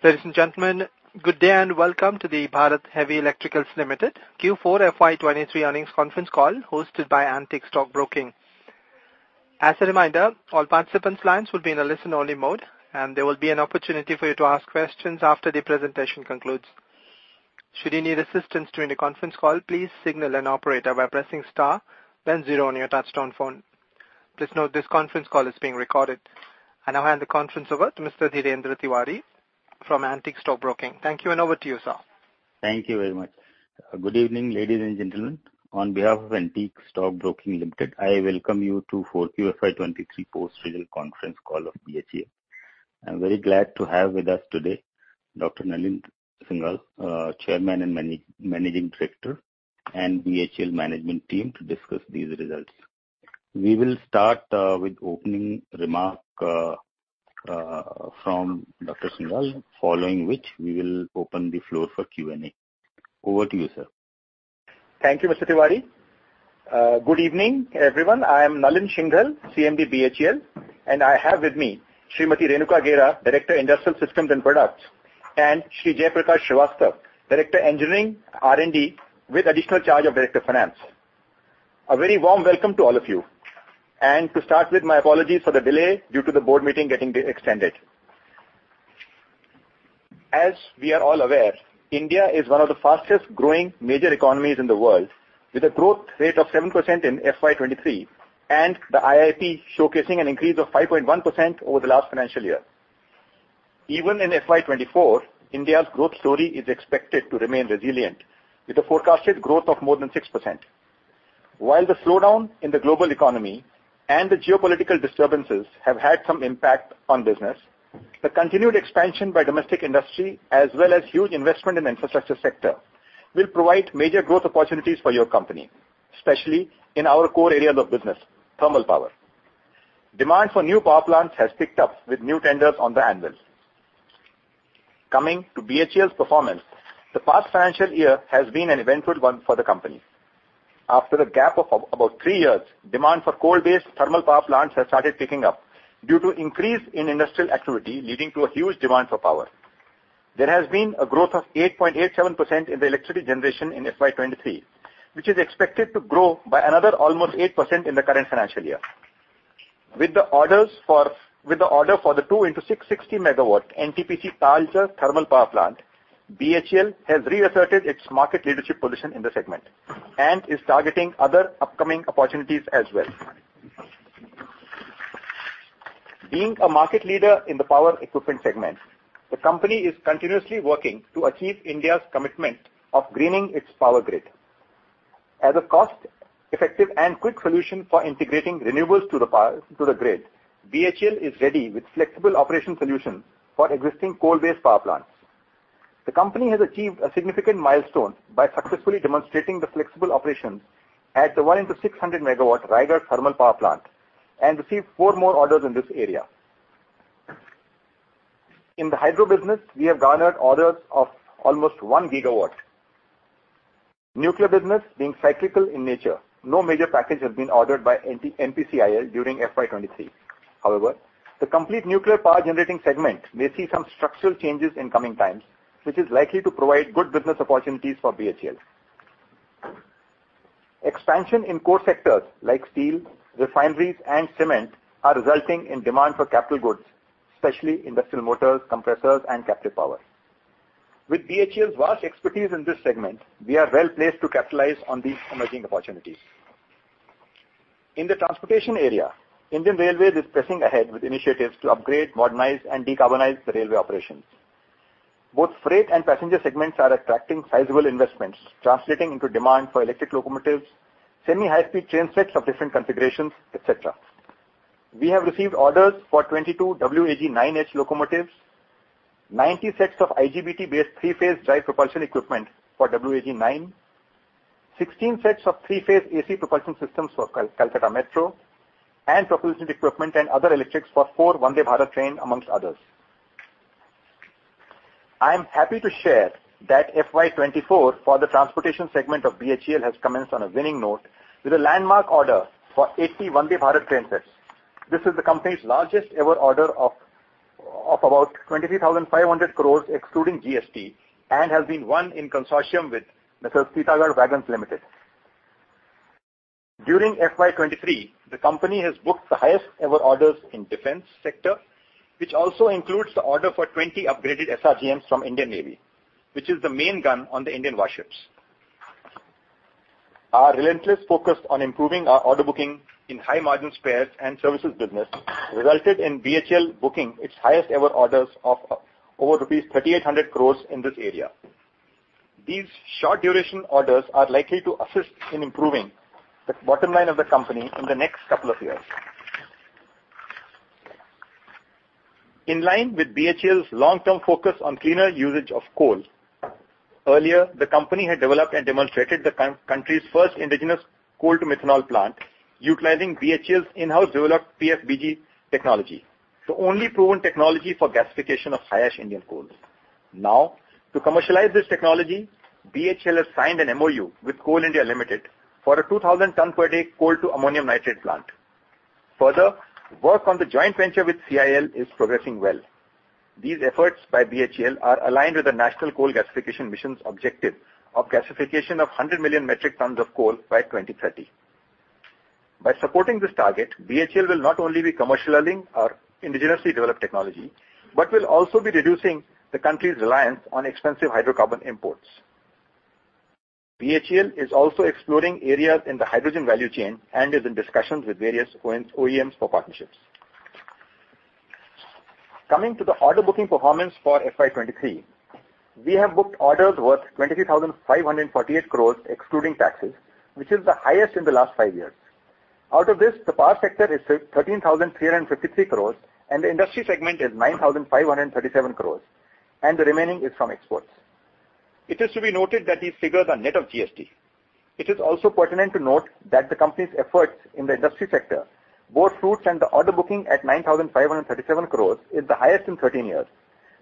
Ladies and gentlemen, good day. Welcome to the Bharat Heavy Electricals Limited Q4 FY 2023 earnings conference call, hosted by Antique Stock Broking. As a reminder, all participants' lines will be in a listen-only mode, and there will be an opportunity for you to ask questions after the presentation concludes. Should you need assistance during the conference call, please signal an operator by pressing star then zero on your touchtone phone. Please note, this conference call is being recorded. I now hand the conference over to Mr. Dhirendra Tiwari from Antique Stock Broking. Thank you. Over to you, sir. Thank you very much. Good evening, ladies and gentlemen. On behalf of Antique Stock Broking Limited, I welcome you to Q4 FY 2023 Post Result conference call of BHEL. I'm very glad to have with us today, Dr. Nalin Shinghal, Chairman and Managing Director, and BHEL management team to discuss these results. We will start with opening remark from Dr. Shinghal, following which we will open the floor for Q&A. Over to you, sir. Thank you, Mr. Tiwari. Good evening, everyone. I am Nalin Shinghal, CMD, BHEL, and I have with me Srimati Renuka Gera, Director, Industrial Systems and Products, and Shri Jaiprakash Srivastava, Director, Engineering, R&D, with additional charge of Director, Finance. A very warm welcome to all of you, and to start with, my apologies for the delay due to the board meeting getting extended. As we are all aware, India is one of the fastest growing major economies in the world, with a growth rate of 7% in FY 2023, and the IIP showcasing an increase of 5.1% over the last financial year. Even in FY 2024, India's growth story is expected to remain resilient, with a forecasted growth of more than 6%. While the slowdown in the global economy and the geopolitical disturbances have had some impact on business, the continued expansion by domestic industry, as well as huge investment in infrastructure sector, will provide major growth opportunities for your company, especially in our core areas of business, thermal power. Demand for new power plants has picked up with new tenders on the anvil. Coming to BHEL's performance, the past financial year has been an eventful one for the company. After a gap of about three years, demand for coal-based thermal power plants has started picking up due to increase in industrial activity, leading to a huge demand for power. There has been a growth of 8.87% in the electricity generation in FY 2023, which is expected to grow by another almost 8% in the current financial year. With the order for the 2x660 MW NTPC Talcher Thermal Power Plant, BHEL has reasserted its market leadership position in the segment and is targeting other upcoming opportunities as well. Being a market leader in the power equipment segment, the company is continuously working to achieve India's commitment of greening its power grid. As a cost-effective and quick solution for integrating renewables to the power, to the grid, BHEL is ready with flexible operation solutions for existing coal-based power plants. The company has achieved a significant milestone by successfully demonstrating the flexible operations at the 1x600 MW Raigarh Thermal Power Plant and received four more orders in this area. In the hydro business, we have garnered orders of almost 1 GW. Nuclear business, being cyclical in nature, no major package has been ordered by NPCIL during FY 2023. However, the complete nuclear power generating segment may see some structural changes in coming times, which is likely to provide good business opportunities for BHEL. Expansion in core sectors like steel, refineries, and cement are resulting in demand for capital goods, especially industrial motors, compressors, and captive power. With BHEL's vast expertise in this segment, we are well-placed to capitalize on these emerging opportunities. In the transportation area, Indian Railways is pressing ahead with initiatives to upgrade, modernize, and decarbonize the railway operations. Both freight and passenger segments are attracting sizable investments, translating into demand for electric locomotives, semi-high-speed train sets of different configurations, etc. We have received orders for 22 WAG-9H locomotives, 90 sets of IGBT-based three-phase drive propulsion equipment for WAG-9, 16 sets of three-phase AC propulsion systems for Kolkata Metro, and propulsion equipment and other electrics for four Vande Bharat train, amongst others. I am happy to share that FY 2024 for the transportation segment of BHEL has commenced on a winning note with a landmark order for 80 Vande Bharat train sets. This is the company's largest-ever order of about 23,500 crore, excluding GST, and has been won in consortium with M/s. Titagarh Wagons Limited. During FY 2023, the company has booked the highest-ever orders in defense sector, which also includes the order for 20 upgraded SRGM from Indian Navy, which is the main gun on the Indian warships. Our relentless focus on improving our order booking in high-margin spares and services business resulted in BHEL booking its highest-ever orders of over rupees 3,800 crore in this area. These short-duration orders are likely to assist in improving the bottom line of the company in the next couple of years. In line with BHEL's long-term focus on cleaner usage of coal, earlier, the company had developed and demonstrated the country's first indigenous coal to methanol plant, utilizing BHEL's in-house developed PSBG technology, the only proven technology for gasification of high-ash Indian coals. To commercialize this technology, BHEL has signed an MoU with Coal India Limited for a 2,000 ton per day coal to ammonium nitrate plant. Work on the joint venture with CIL is progressing well. These efforts by BHEL are aligned with the National Coal Gasification Mission's objective of gasification of 100 million metric tons of coal by 2030. By supporting this target, BHEL will not only be commercializing our indigenously developed technology, but will also be reducing the country's reliance on expensive hydrocarbon imports. BHEL is also exploring areas in the hydrogen value chain and is in discussions with various OEMs for partnerships. Coming to the order booking performance for FY 2023, we have booked orders worth 23,548 crores, excluding taxes, which is the highest in the last five years. Out of this, the power sector is 13,353 crores, the industry segment is 9,537 crores, the remaining is from exports. It is to be noted that these figures are net of GST. It is also pertinent to note that the company's efforts in the industry sector bore fruits, the order booking at 9,537 crores is the highest in 13 years.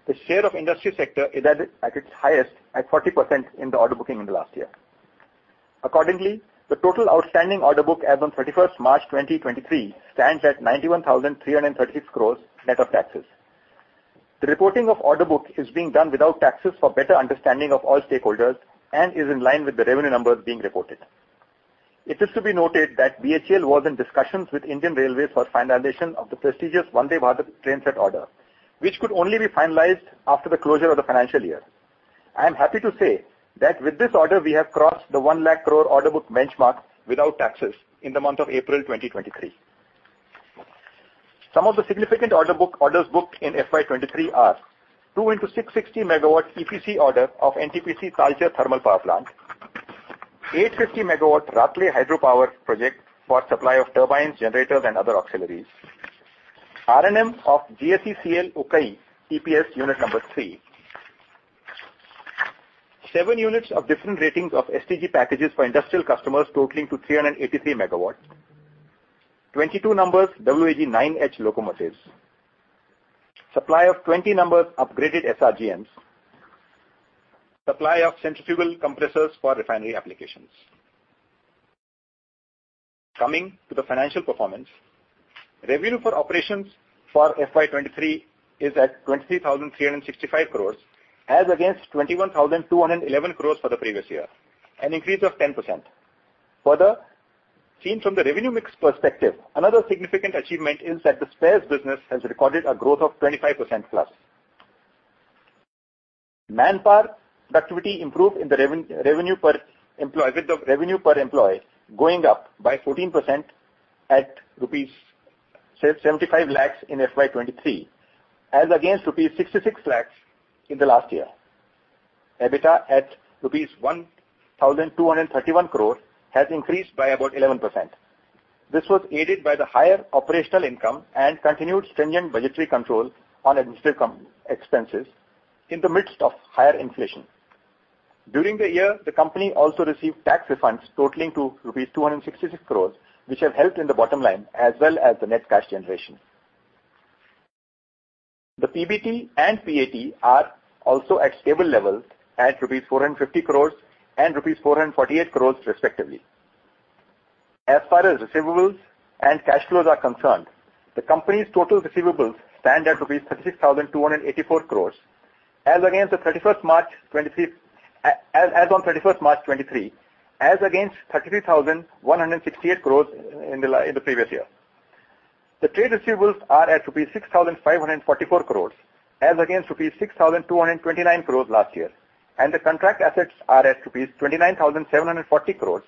The share of industry sector is at its highest, at 40% in the order booking in the last year. Accordingly, the total outstanding order book as on March 31, 2023, stands at 91,336 crore, net of taxes. The reporting of order book is being done without taxes for better understanding of all stakeholders and is in line with the revenue numbers being reported. It is to be noted that BHEL was in discussions with Indian Railways for finalization of the prestigious Vande Bharat train set order, which could only be finalized after the closure of the financial year. I am happy to say that with this order, we have crossed the 1 lakh crore order book benchmark without taxes in the month of April 2023. Some of the significant order book, orders booked in FY 2023 are: 2x660 MW EPC order of NTPC Talcher Thermal Power Project, 850 MW Ratle Hydropower Project for supply of turbines, generators, and other auxiliaries. R&M of GSECL Ukai TPS Unit 3. 7 units of different ratings of STG packages for industrial customers, totaling to 383 MW. 22 numbers WAG-9H locomotives. Supply of 20 numbers upgraded SRGM. Supply of centrifugal compressors for refinery applications. Coming to the financial performance, revenue for operations for FY 2023 is at 23,365 crore, as against 21,211 crore for the previous year, an increase of 10%. Seen from the revenue mix perspective, another significant achievement is that the spares business has recorded a growth of 25% plus. Manpower productivity improved in the revenue per employee going up by 14% at rupees 75 lakhs in FY23, as against rupees 66 lakhs in the last year. EBITDA at rupees 1,231 crore has increased by about 11%. This was aided by the higher operational income and continued stringent budgetary control on administrative expenses in the midst of higher inflation. During the year, the company also received tax refunds totaling to rupees 266 crores, which have helped in the bottom line as well as the net cash generation. The PBT and PAT are also at stable levels, at rupees 450 crores and rupees 448 crores, respectively. As far as receivables and cash flows are concerned, the company's total receivables stand at rupees 36,284 crores, as on March 31, 2023, as against 33,168 crores in the previous year. The trade receivables are at rupees 6,544 crores, as against rupees 6,229 crores last year, and the contract assets are at rupees 29,740 crores,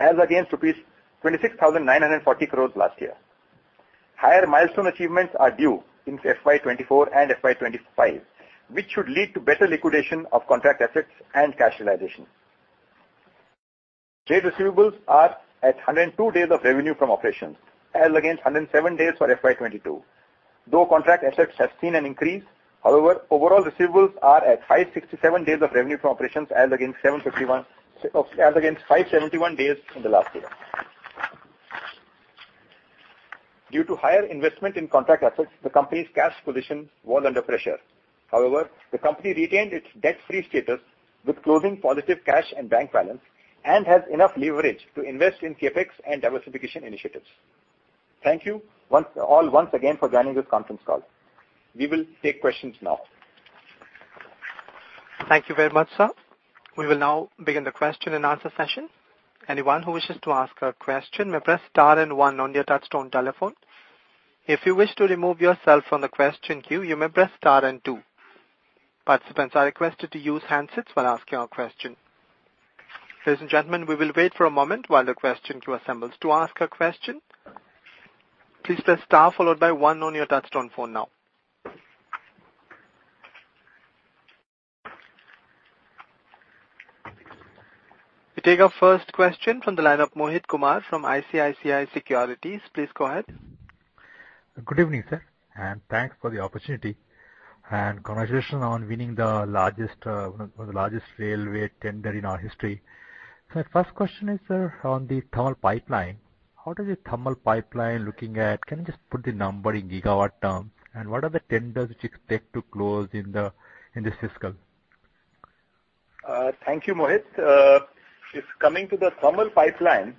as against rupees 26,940 crores last year. Higher milestone achievements are due in FY 2024 and FY 2025, which should lead to better liquidation of contract assets and cash realization. Trade receivables are at 102 days of revenue from operations, as against 107 days for FY 2022, though contract assets have seen an increase. However, overall receivables are at 567 days of revenue from operations, as against 751 days, as against 571 days in the last year. Due to higher investment in contract assets, the company's cash position was under pressure. However, the company retained its debt-free status with closing positive cash and bank balance and has enough leverage to invest in CapEx and diversification initiatives. Thank you, all once again for joining this conference call. We will take questions now. Thank you very much, sir. We will now begin the question and answer session. Anyone who wishes to ask a question, may press star and one on your touchtone telephone. If you wish to remove yourself from the question queue, you may press star and two. Participants are requested to use handsets while asking a question. Ladies and gentlemen, we will wait for a moment while the question queue assembles. To ask a question, please press star followed by one on your touchtone phone now. We take our first question from the line of Mohit Kumar from ICICI Securities. Please go ahead. Good evening, sir. Thanks for the opportunity. Congratulations on winning the largest, one of the largest railway tender in our history. My first question is, sir, on the thermal pipeline. How does the thermal pipeline looking at? Can you just put the number in gigawatt terms, and what are the tenders which you expect to close in the, in this fiscal? Thank you, Mohit. if coming to the thermal pipeline,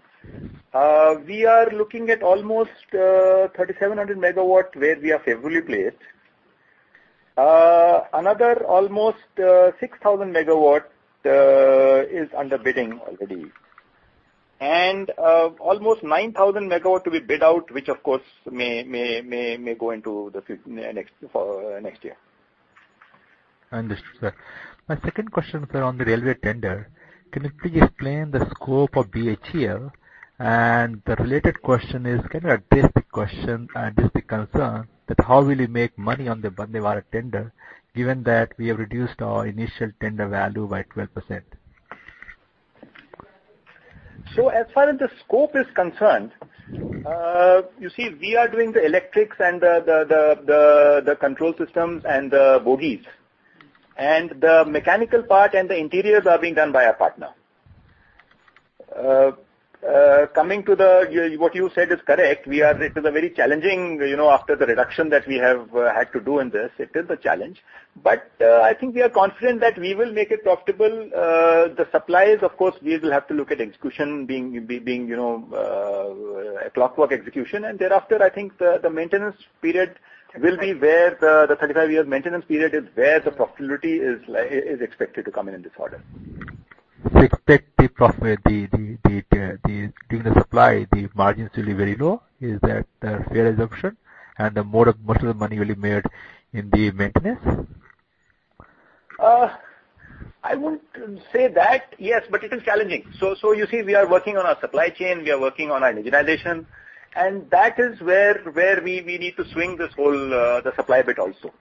we are looking at almost 3,700 MW where we are favorably placed. another almost 6,000 MW is under bidding already. almost 9,000 MW to be bid out, which of course may go into the next year. Understood, sir. My second question, sir, on the railway tender: Can you please explain the scope of BHEL? The related question is, kind of, a basic question and basic concern, that how will you make money on the Vande Bharat tender, given that we have reduced our initial tender value by 12%? As far as the scope is concerned, you see, we are doing the electrics and the control systems and the bogies. The mechanical part and the interiors are being done by our partner. Coming to what you said is correct. It is a very challenging, you know, after the reduction that we have had to do in this, it is a challenge. I think we are confident that we will make it profitable. The supplies, of course, we will have to look at execution being, you know, a clockwork execution. Thereafter, I think the maintenance period will be where the 35 years maintenance period is where the profitability is expected to come in this order. Expect the profit, the during the supply, the margins will be very low. Is that a fair assumption? Most of the money will be made in the maintenance? I wouldn't say that. Yes, but it is challenging. You see, we are working on our supply chain, we are working on our digitalization. That is where we need to swing this whole, the supply bit also.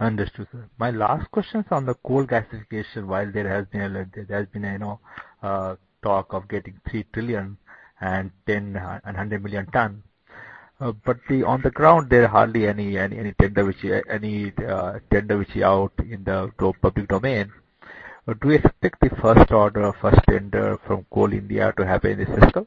Understood, sir. My last question is on the coal gasification. While there has been a, you know, talk of getting 3 trillion and 10 and 100 million ton, but the on the ground, there are hardly any tender which is out in the public domain. Do you expect the first tender from Coal India to happen in this fiscal?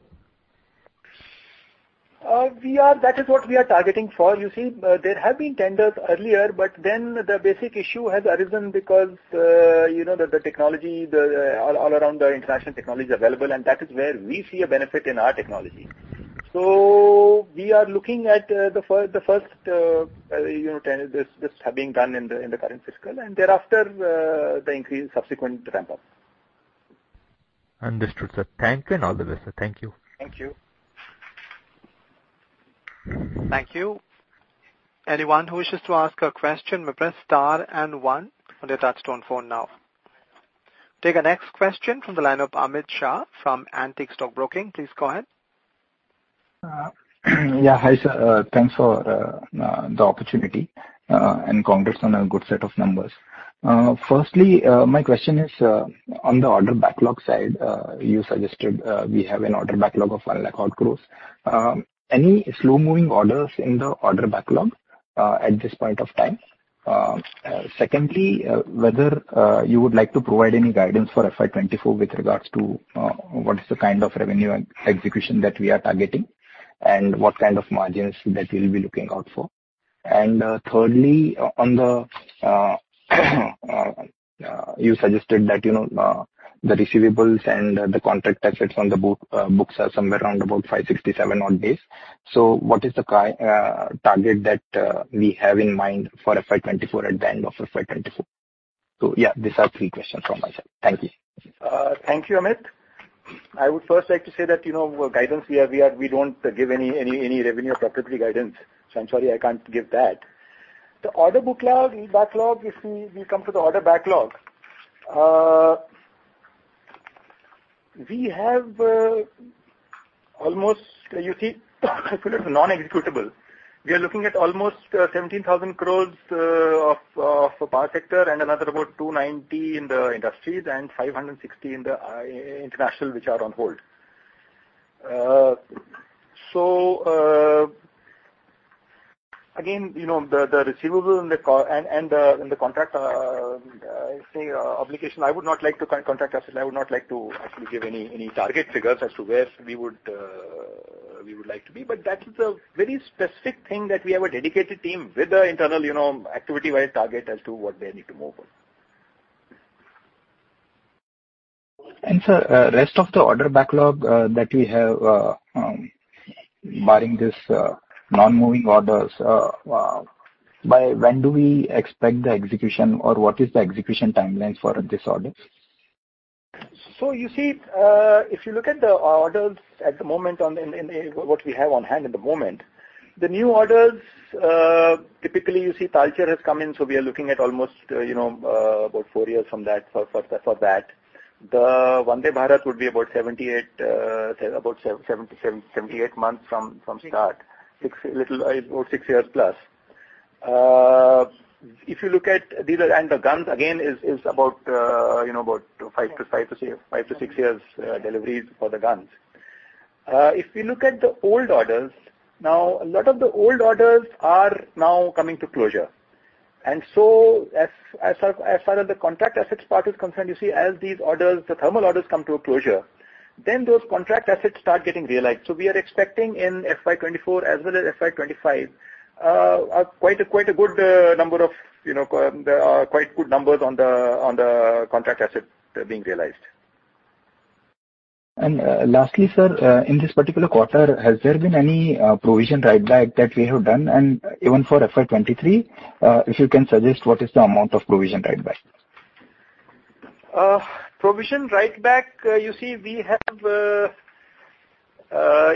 That is what we are targeting for. You see, there have been tenders earlier, the basic issue has arisen because, you know, the technology, all around the international technology is available, that is where we see a benefit in our technology. We are looking at the first, you know, tender, this are being done in the current fiscal, thereafter, the increase in subsequent ramp-up. Understood, sir. Thank you and all the best, sir. Thank you. Thank you. Thank you. Anyone who wishes to ask a question, may press star one on your touchtone phone now. Take our next question from the line of Amit Shah from Antique Stock Broking. Please go ahead. Yeah, hi, sir. Thanks for the opportunity, and congrats on a good set of numbers. Firstly, my question is on the order backlog side. You suggested we have an order backlog of 1 lakh crore. Any slow-moving orders in the order backlog at this point of time? Secondly, whether you would like to provide any guidance for FY 2024 with regards to what is the kind of revenue and execution that we are targeting, and what kind of margins that we'll be looking out for. Thirdly, on the, you suggested that, you know, the receivables and the contract assets on the books are somewhere around about 567 odd days. What is the target that we have in mind for FY 2024, at the end of FY 2024? Yeah, these are three questions from my side. Thank you. Thank you, Amit. I would first like to say that, you know, guidance, we don't give any revenue or profitability guidance, so I'm sorry I can't give that. The order backlog, if we come to the order backlog, we have almost... You see, I put it as non-executable. We are looking at almost 17,000 crore of power sector and another about 290 crore in the industries and 560 crore in the international, which are on hold. Again, you know, the receivable and the contract, say, obligation, I would not like to contract asset. I would not like to actually give any target figures as to where we would like to be. That is a very specific thing, that we have a dedicated team with the internal, you know, activity-wise target as to what they need to move on. Sir, rest of the order backlog, that we have, barring this, non-moving orders, by when do we expect the execution, or what is the execution timeline for these orders? You see, if you look at the orders at the moment on the, what we have on hand at the moment, the new orders, typically, you see, Talcher has come in, we are looking at almost, you know, about four years from that, for that. The Vande Bharat would be about 78 months from start. About six years+. The guns, again, is about, you know, about five to six years deliveries for the guns. If we look at the old orders, now, a lot of the old orders are now coming to closure. As far as the contract assets part is concerned, you see, as these orders, the thermal orders come to a closure. Those contract assets start getting realized. We are expecting in FY 2024 as well as FY 2025, a quite a good number of, you know, quite good numbers on the contract assets being realized. Lastly, sir, in this particular quarter, has there been any provision write back that we have done? Even for FY 2023, if you can suggest what is the amount of provision write back? provision write back, you see, we have,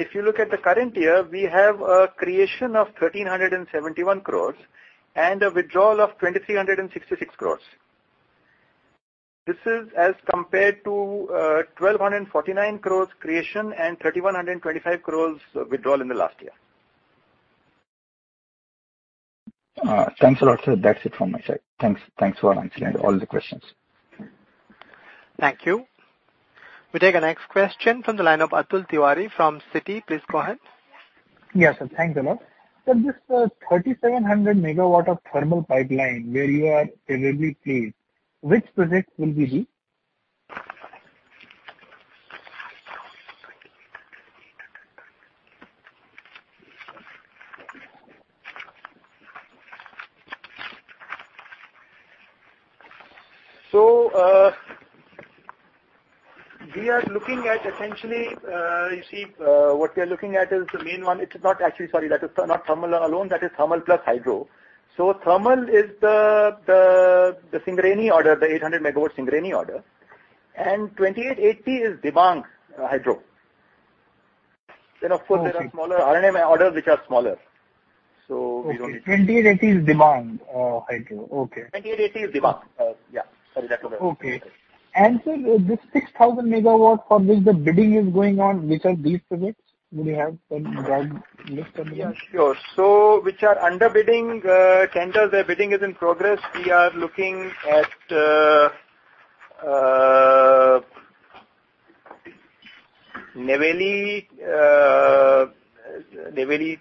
if you look at the current year, we have a creation of 1,371 crores and a withdrawal of 2,366 crores. This is as compared to, 1,249 crores creation and 3,125 crores withdrawal in the last year. Thanks a lot, sir. That's it from my side. Thanks for answering all the questions. Thank you. We take the next question from the line of Atul Tiwari from Citi. Please go ahead. Yes, sir. Thanks a lot. This 3,700 MW of thermal pipeline where you are available, please, which project will we be? We are looking at essentially. It is not actually, sorry, that is not thermal alone, that is thermal plus hydro. Thermal is the Singrauli order, the 800 MW Singrauli order, and 2,880 MW is Dibang Hydro. Of course, there are smaller R&M orders, which are smaller. Okay. 2,880 MW is Dibang hydro. Okay. 2,880 MW is Dibang. Yeah, sorry, that's what I mean. Okay. This 6,000 MW for which the bidding is going on, which are these projects? Do you have some broad list of them? Yeah, sure. Which are under bidding, tenders, their bidding is in progress. We are looking at Neyveli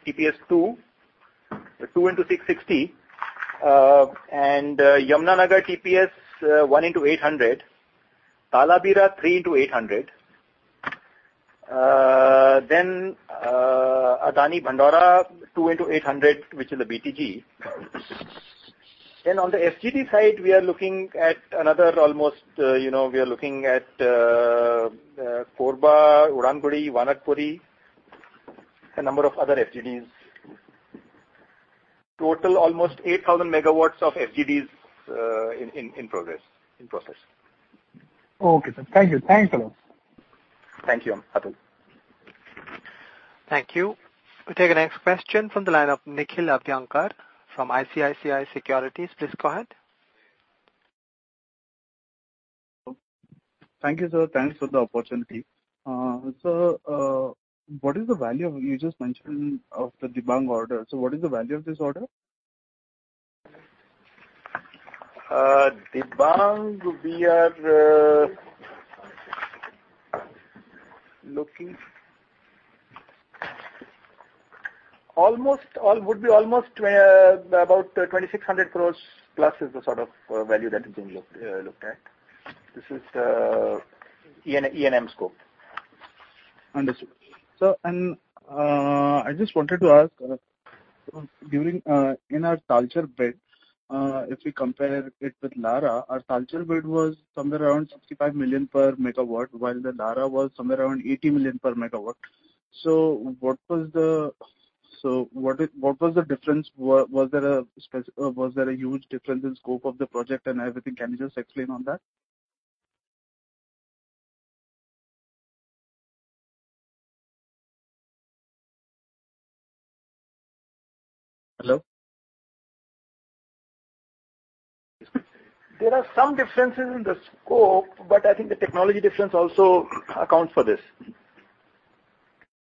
TPS two into 660, and Yamunanagar TPS, one into 800, Talabira three into 800. Then, Adani Bandhaura two into 800, which is a BTG. Then on the FGD side, we are looking at another almost, you know, we are looking at Korba, Uran, Wanakbori, a number of other FGDs. Total, almost 8,000 MW of FGDs, in progress, in process. Okay, sir. Thank you. Thanks a lot. Thank you, Atul. Thank you. We take the next question from the line of Nikhil Abhyankar from ICICI Securities. Please go ahead. Thank you, sir. Thanks for the opportunity. You just mentioned of the Dibang order. What is the value of this order? Dibang, we are looking. Almost, all would be almost, about 2,600 crores plus is the sort of value that is being looked at. This is the ENM scope. Understood. I just wanted to ask, during, in our Talcher bid, if we compare it with Lara, our Talcher bid was somewhere around 65 million per MW, while the Lara was somewhere around INR 80 million per MW. What was the difference? Was there a huge difference in scope of the project and everything? Can you just explain on that? Hello? There are some differences in the scope, but I think the technology difference also accounts for this.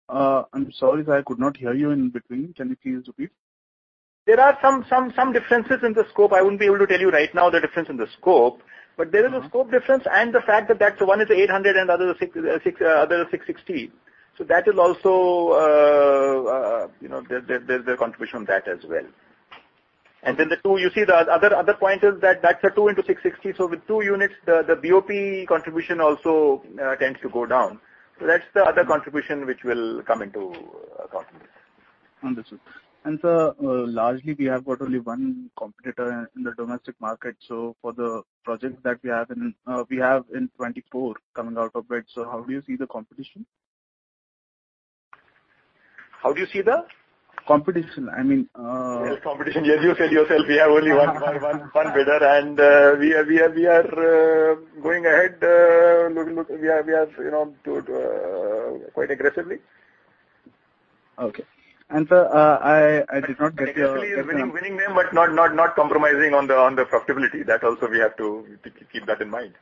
I'm sorry, sir, I could not hear you in between. Can you please repeat? There are some differences in the scope. I wouldn't be able to tell you right now the difference in the scope, but there is a scope difference and the fact that that one is 800 and the other is 660. That is also, you know, there's a contribution on that as well. The two, you see the other point is that that's a two into 660. With two units, the BOP contribution also tends to go down. That's the other contribution which will come into contribution. Understood. Sir, largely, we have got only one competitor in the domestic market. For the projects that we have in 2024 coming out of it. How do you see the competition? How do you see the? Competition. I mean. Competition. Yes, you said yourself, we have only one bidder. We are going ahead, look, we are, you know, to quite aggressively. Okay. sir, I did not get your- Actually is winning them, but not compromising on the profitability. That also we have to keep that in mind.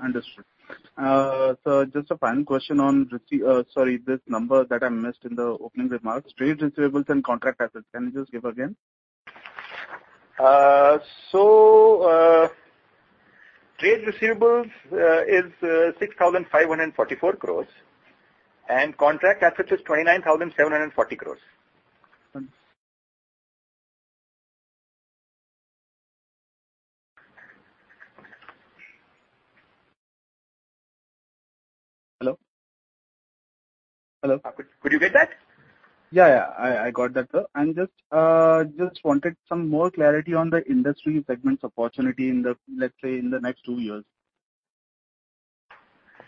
Understood. Just a final question on receipt... sorry, this number that I missed in the opening remarks, trade receivables and contract assets. Can you just give again? Trade receivables is 6,544 crores, and contract assets is 29,740 crores. Hello? Hello? Could you get that? Yeah, I got that, sir. I'm just wanted some more clarity on the industry segment opportunity, let's say, in the next two years.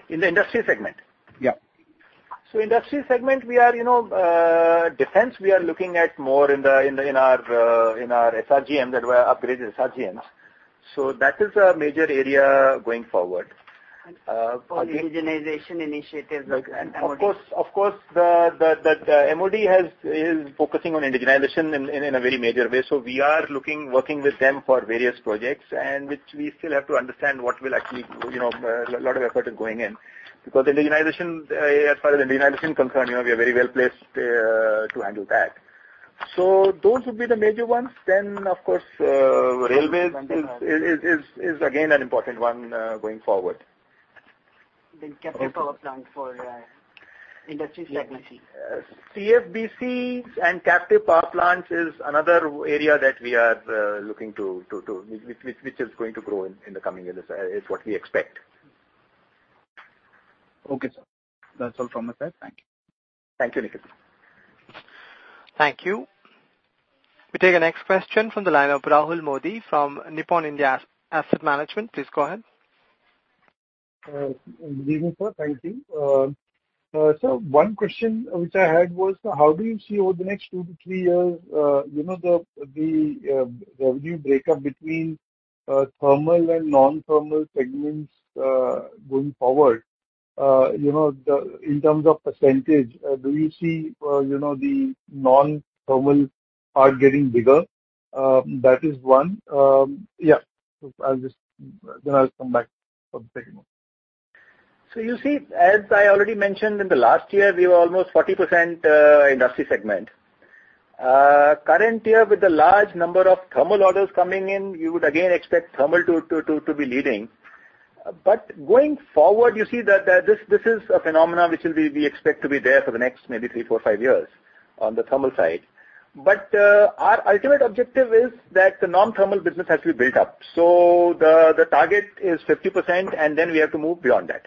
In the industry segment? Yeah. Industry segment, we are, you know, defense, we are looking at more in our SRGM, that we are upgrading SRGM. That is a major area going forward. For the indigenization initiative and MoD. Of course, of course, the MoD is focusing on indigenization in a very major way. We are looking, working with them for various projects, which we still have to understand what will actually, you know, a lot of effort is going in. Indigenization, as far as indigenization is concerned, you know, we are very well placed to handle that. Those would be the major ones. Of course, railways is again, an important one, going forward. Captive power plant for industry segment? CFBC and captive power plants is another area that we are looking to Which is going to grow in the coming years is what we expect. Okay, sir. That's all from my side. Thank you. Thank you, Nikhil. Thank you. We take the next question from the line of Rahul Modi from Nippon India Asset Management. Please go ahead. Good evening, sir. Thank you. One question which I had was, how do you see over the next two to three years, you know, the revenue breakup between thermal and non-thermal segments going forward? You know, in terms of percentage, do you see, you know, the non-thermal part getting bigger? That is one. I'll just, I'll come back for the second one. You see, as I already mentioned, in the last year, we were almost 40% industry segment. Current year, with the large number of thermal orders coming in, you would again expect thermal to be leading. Going forward, you see that this is a phenomena which will be, we expect to be there for the next maybe three, four, five years on the thermal side. Our ultimate objective is that the non-thermal business has to be built up. The target is 50%, and then we have to move beyond that.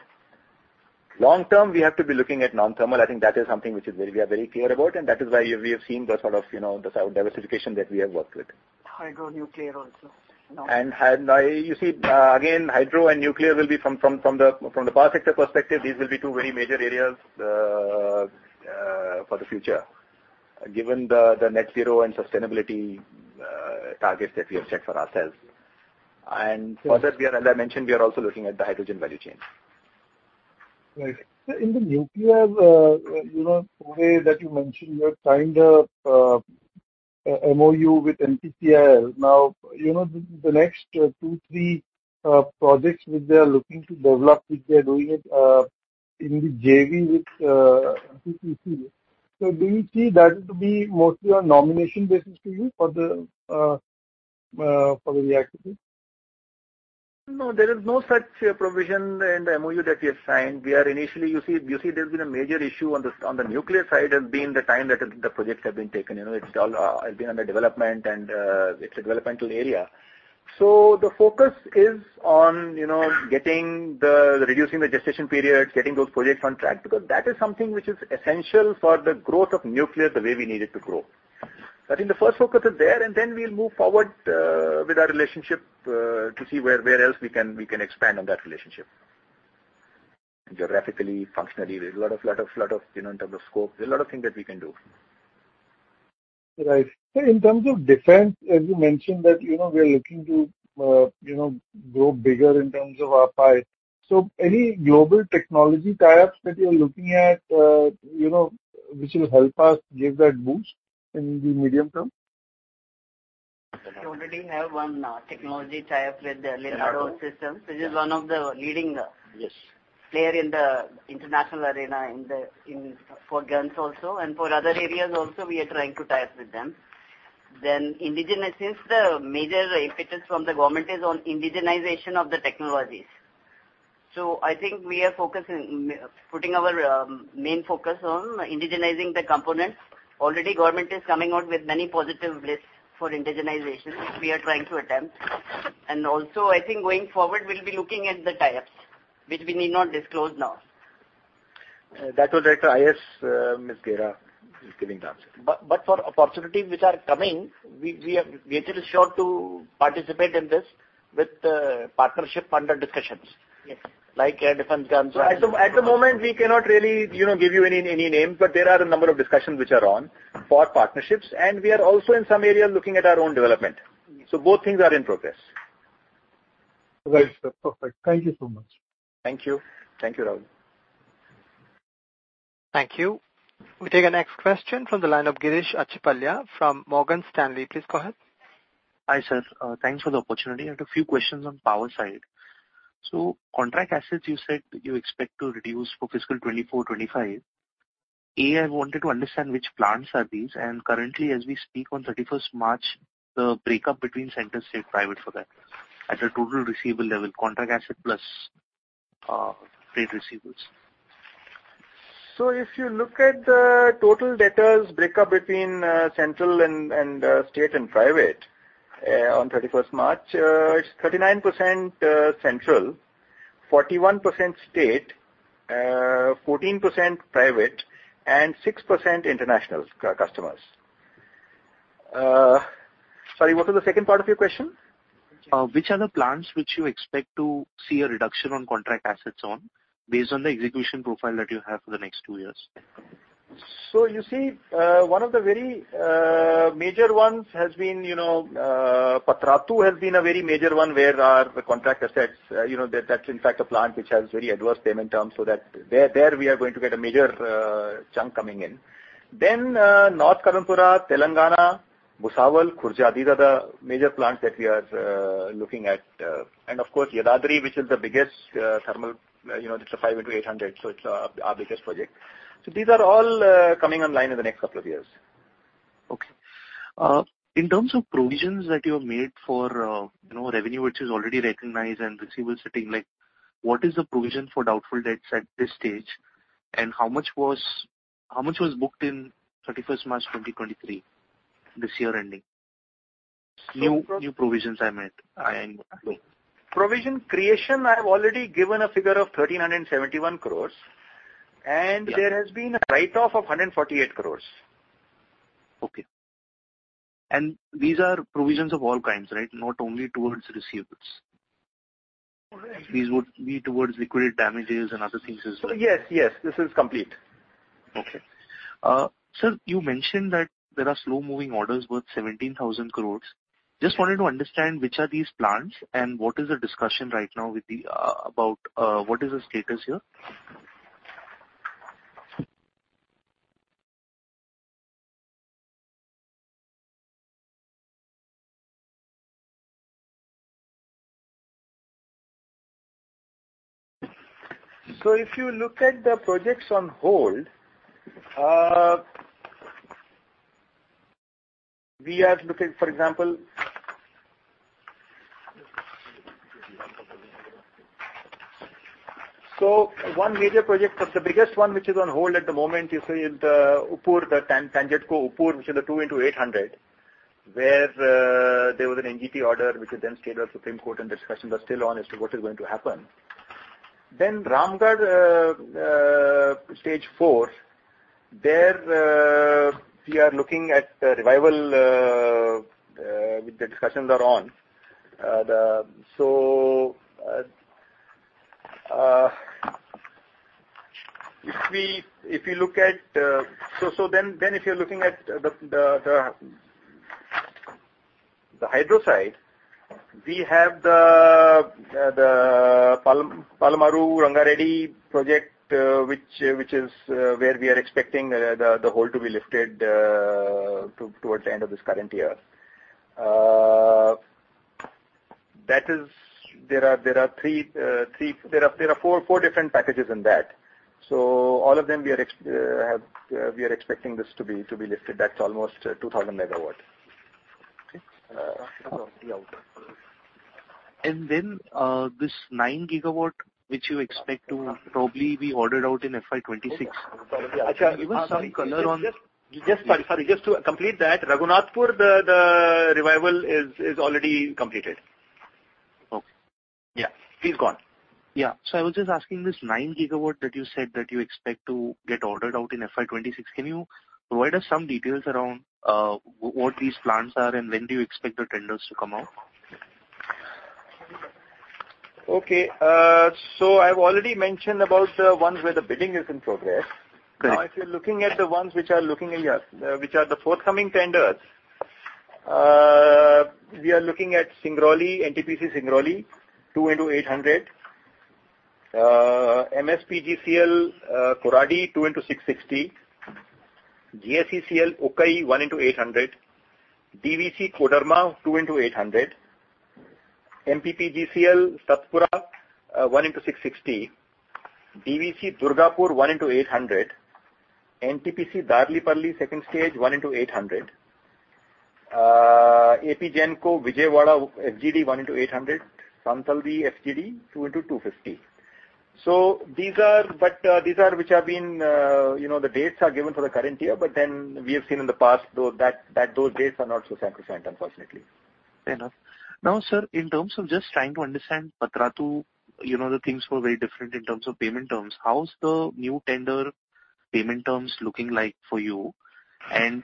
Long term, we have to be looking at non-thermal. I think that is something which is very clear about, and that is why we have seen the sort of, you know, the diversification that we have worked with. Hydro nuclear also. You see, again, hydro and nuclear will be from the power sector perspective, these will be two very major areas for the future, given the net zero and sustainability targets that we have set for ourselves. For that, we are, as I mentioned, we are also looking at the hydrogen value chain. Right. In the nuclear, you know, today that you mentioned, you have signed a MoU with NPCIL. Now, you know, the next two, three projects which they are looking to develop, which they are doing it in the JV with NPCIL. Do you see that to be mostly on nomination basis to you for the reactors? No, there is no such provision in the MoU that we have signed. We are initially, you see, there's been a major issue on the, on the nuclear side has been the time that the projects have been taken. You know, it's all, it's been under development and, it's a developmental area. The focus is on, you know, reducing the gestation period, getting those projects on track, because that is something which is essential for the growth of nuclear, the way we need it to grow. I think the first focus is there, We'll move forward with our relationship to see where else we can, we can expand on that relationship. Geographically, functionally, there's a lot of, you know, in terms of scope, there's a lot of things that we can do. In terms of defense, as you mentioned, that, you know, we are looking to, you know, grow bigger in terms of RFI. Any global technology tie-ups that you're looking at, you know, which will help us give that boost in the medium term? We already have one technology tie-up with the Leonardo System, which is one of the leading- Yes. ....player in the international arena, in the, for guns also, and for other areas also, we are trying to tie up with them. Indigenization, the major impetus from the government is on indigenization of the technologies. I think we are focusing, putting our main focus on indigenizing the components. Already, government is coming out with many positive lists for indigenization we are trying to attempt. Also, I think going forward, we'll be looking at the tie-ups, which we need not disclose now. That was at IS, Ms. Gera is giving the answer. For opportunities which are coming, we are still sure to participate in this with partnership under discussions. Yes. Like defense guns. At the moment, we cannot really, you know, give you any names, but there are a number of discussions which are on for partnerships, and we are also in some areas looking at our own development. Both things are in progress. Right, sir. Perfect. Thank you so much. Thank you. Thank you, Rahul. Thank you. We take the next question from the line of Girish Achhipalia from Morgan Stanley. Please go ahead. Hi, sir. Thanks for the opportunity. I have a few questions on power side. Contract assets, you said you expect to reduce for fiscal 2024, 2025. I wanted to understand which plants are these, and currently, as we speak on 31st March, the breakup between center, state, private for that at a total receivable level, contract asset plus, trade receivables? If you look at the total debtors break up between central and state and private on March 31st, it's 39% central, 41% state, 14% private, and 6% international customers. Sorry, what was the second part of your question? Which are the plants which you expect to see a reduction on contract assets on, based on the execution profile that you have for the next two years? You see, one of the very major ones has been, you know, Patratu has been a very major one, where our, the contract assets, you know, that's in fact, a plant which has very adverse payment terms, so that there we are going to get a major chunk coming in. North Karanpura, Telangana, Bhusawal, Khurja, these are the major plants that we are looking at. Of course, Yadadri, which is the biggest thermal, you know, it's a five into 800, so it's our biggest project. These are all coming online in the next couple of years. Okay. in terms of provisions that you have made for, you know, revenue which is already recognized and receivable sitting, like, what is the provision for doubtful debts at this stage? How much was booked in March 31, 2023, this year ending? New provisions are made. Provision creation, I have already given a figure of 1,371 crores, and there has been a write-off of 148 crores. Okay. These are provisions of all kinds, right? Not only towards receivables. These would be towards liquid damages and other things as well. Yes, yes, this is complete. Okay. Sir, you mentioned that there are slow-moving orders worth 17,000 crore. Just wanted to understand, which are these plants, and what is the discussion right now with the about what is the status here? If you look at the projects on hold, we are looking, for example. One major project, the biggest one, which is on hold at the moment, you see, is the Uppur, the Tangedco Uppur, which is the 2x800, where there was an NGT order, which is then stayed by Supreme Court, and discussions are still on as to what is going to happen. Ramgarh, stage four, there we are looking at a revival with the discussions are on. The, if we, if you look at... If you're looking at the hydro side, we have the Palamuru Ranga Reddy project, which is where we are expecting the hold to be lifted towards the end of this current year. That is, there are four different packages in that. All of them, we are expecting this to be lifted. That's almost 2,000 MW. Okay. This 9 GW, which you expect to probably be ordered out in FY 2026. Give us some color on? Just, sorry, just to complete that, Raghunathpur, the revival is already completed. Okay. Yeah, please go on. Yeah. I was just asking this 9 GW that you said that you expect to get ordered out in FY 2026. Can you provide us some details around what these plans are, and when do you expect the tenders to come out? Okay, I've already mentioned about the ones where the bidding is in progress. Great. If you're looking at the ones which are looking at, which are the forthcoming tenders, we are looking at Singrauli, NTPC Singrauli, 2x800. MSPGCL Koradi, 2x660. GSECL Ukai, 1x800. DVC Kodarma, 2x800. MPPGCL Satpura, 1x660. DVC Durgapur, 1x800. NTPC Darlipali, second stage, 1x800. APGENCO Vijayawada, FGD, 1x800. Santaldih, FGD, 2x250. These are which have been, you know, the dates are given for the current year, we have seen in the past, though, that those dates are not so sacrosanct, unfortunately. Fair enough. Sir, in terms of just trying to understand Patratu, you know, the things were very different in terms of payment terms. How's the new tender payment terms looking like for you?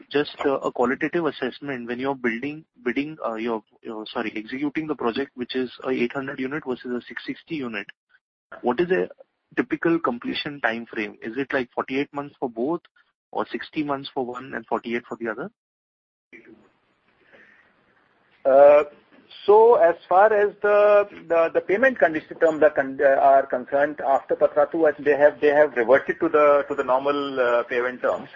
Just a qualitative assessment, when you're bidding, executing the project, which is a 800 unit versus a 660 unit, what is a typical completion time frame? Is it like 48 months for both or 60 months for one and 48 for the other? As far as the payment condition terms are concerned, after Patratu, they have reverted to the normal payment terms.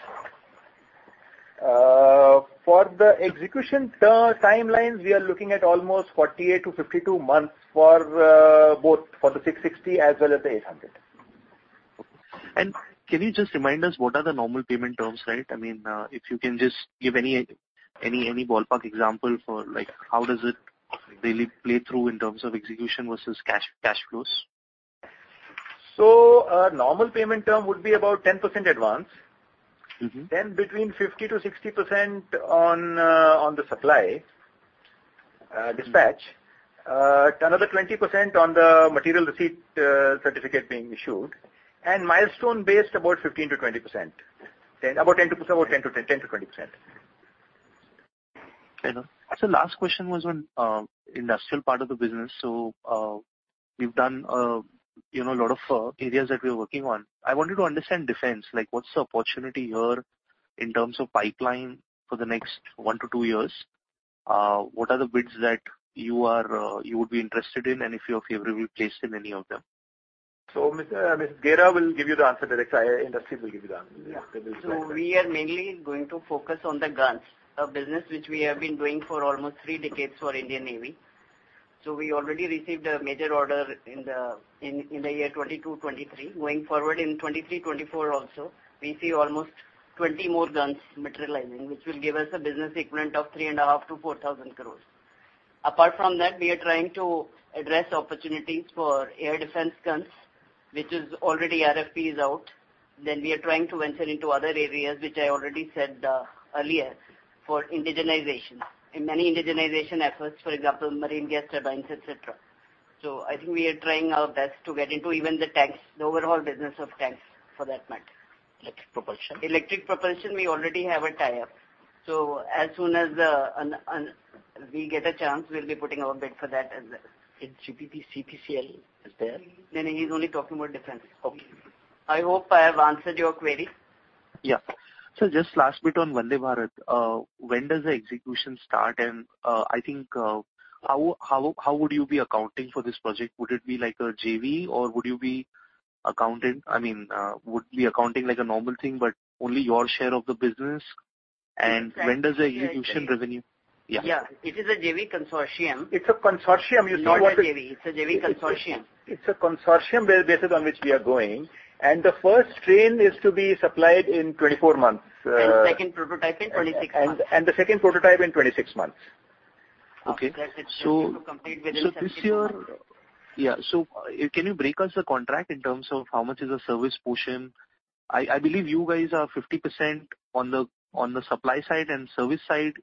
For the execution timelines, we are looking at almost 48-52 months for both for the 660 as well as the 800. Can you just remind us what are the normal payment terms, right? I mean, if you can just give any ballpark example for like, how does it really play through in terms of execution versus cash flows? A normal payment term would be about 10% advance. Mm-hmm. Between 50%-60% on on the supply dispatch. Another 20% on the material receipt certificate being issued, and milestone based about 15%-20%. About 10%-20%. Okay, now. Last question was on industrial part of the business. We've done, you know, a lot of areas that we are working on. I wanted to understand defense, like, what's the opportunity here in terms of pipeline for the next one to two years? What are the bids that you are, you would be interested in, and if you have favored placed in any of them? Mr. Ms. Gera will give you the answer directly. Industries will give you the answer. We are mainly going to focus on the guns, a business which we have been doing for almost three decades for Indian Navy. We already received a major order in the year 2022, 2023. Going forward in 2023, 2024 also, we see almost 20 more guns materializing, which will give us a business equivalent of three and a half to 4,000 crores. Apart from that, we are trying to address opportunities for air defense guns, which is already RFP is out. We are trying to venture into other areas, which I already said earlier, for indigenization. In many indigenization efforts, for example, marine gear, turbines, etc. I think we are trying our best to get into even the tanks, the overall business of tanks, for that matter. Electric propulsion. Electric propulsion, we already have a tie-up. As soon as we get a chance, we'll be putting our bid for that as well. It's GPP, CPCL is there? No, no, he's only talking about defense. Okay. I hope I have answered your query. Yeah. Just last bit on Vande Bharat. When does the execution start? I think, how would you be accounting for this project? Would it be like a JV, or would you be accounting, I mean, would be accounting like a normal thing, but only your share of the business? Yes. When does the execution revenue? Yeah. It is a JV consortium. It's a consortium, you see. Not a JV. It's a JV consortium. It's a consortium where, basis on which we are going, and the first train is to be supplied in 24 months. Second prototype in 26 months. The second prototype in 26 months. Okay? After that it's complete within- This year... Yeah. Can you break us the contract in terms of how much is the service portion? I believe you guys are 50% on the supply side and service side.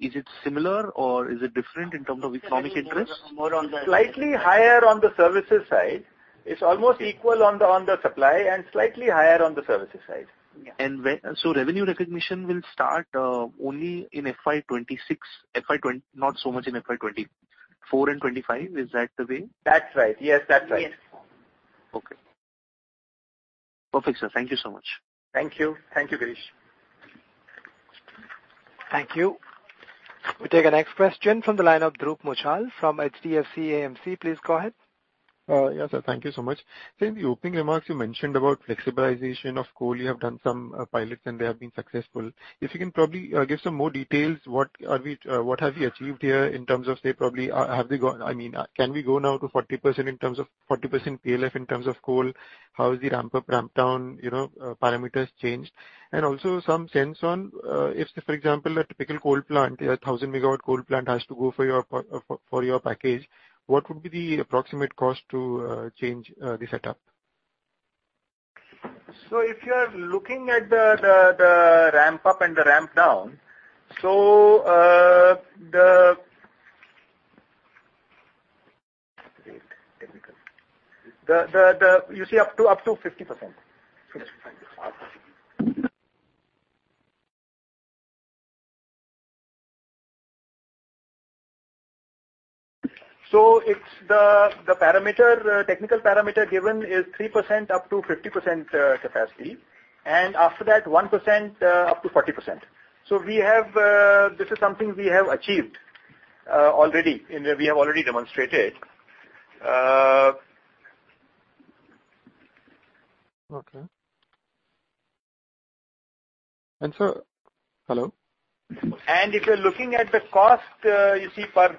Is it similar or is it different in terms of economic interest? More on the- Slightly higher on the services side. It's almost equal on the, on the supply and slightly higher on the services side. Yeah. Revenue recognition will start only in FY 2026. Not so much in FY 2024 and 2025. Is that the way? That's right. Yes, that's right. Yes. Okay. Perfect, sir. Thank you so much. Thank you. Thank you, Girish. Thank you. We take the next question from the line of Dhruv Muchhal from HDFC AMC. Please go ahead. Yes, sir. Thank you so much. In the opening remarks, you mentioned about flexibilization of coal. You have done some pilots and they have been successful. If you can probably give some more details, what have you achieved here in terms of, say, probably, I mean, can we go now to 40% in terms of, 40% PLF in terms of coal? How is the ramp up, ramp down, you know, parameters changed? And also some sense on, if, for example, a typical coal plant, a 1,000 MW coal plant has to go for your package, what would be the approximate cost to change the setup? If you are looking at the ramp up and the ramp down, the you see up to 50%. 50%. It's the parameter, technical parameter given is 3% up to 50% capacity, and after that, 1% up to 40%. This is something we have achieved already, and we have already demonstrated. Okay. Hello? If you're looking at the cost, you see, per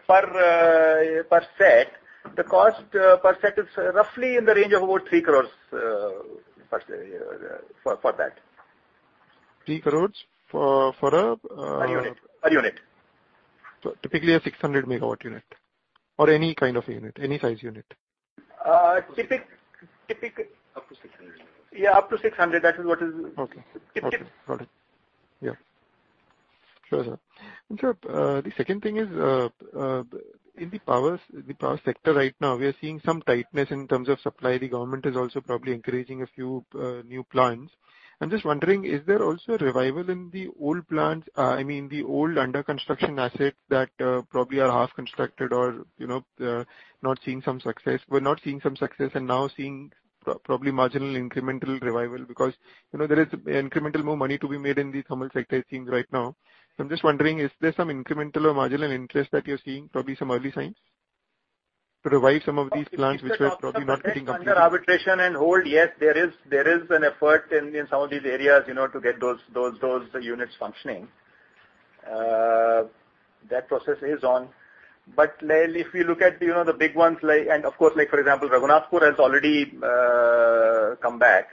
set, the cost per set is roughly in the range of about 3 crores for that. 3 crores for a. Per unit. Per unit. Typically a 600 MW unit or any kind of unit, any size unit? Uh, typic, typic- Up to INR 600. Yeah, up to 600. That is what. Okay. Typic. Got it. Yeah. Sure, sir. Sir, the second thing is, in the power sector right now, we are seeing some tightness in terms of supply. The government is also probably encouraging a few new plants. I'm just wondering, is there also a revival in the old plants? I mean, the old under-construction assets that probably are half constructed or, you know, not seeing some success, were not seeing some success, and now seeing probably marginal incremental revival. You know, there is incremental more money to be made in the thermal sector, I think, right now. I'm just wondering, is there some incremental or marginal interest that you're seeing, probably some early signs, to revive some of these plants which are probably not getting up? Under arbitration and hold, yes, there is an effort in some of these areas, you know, to get those units functioning. That process is on. If you look at, you know, the big ones, like, and of course, like for example, Raghunathpur has already come back.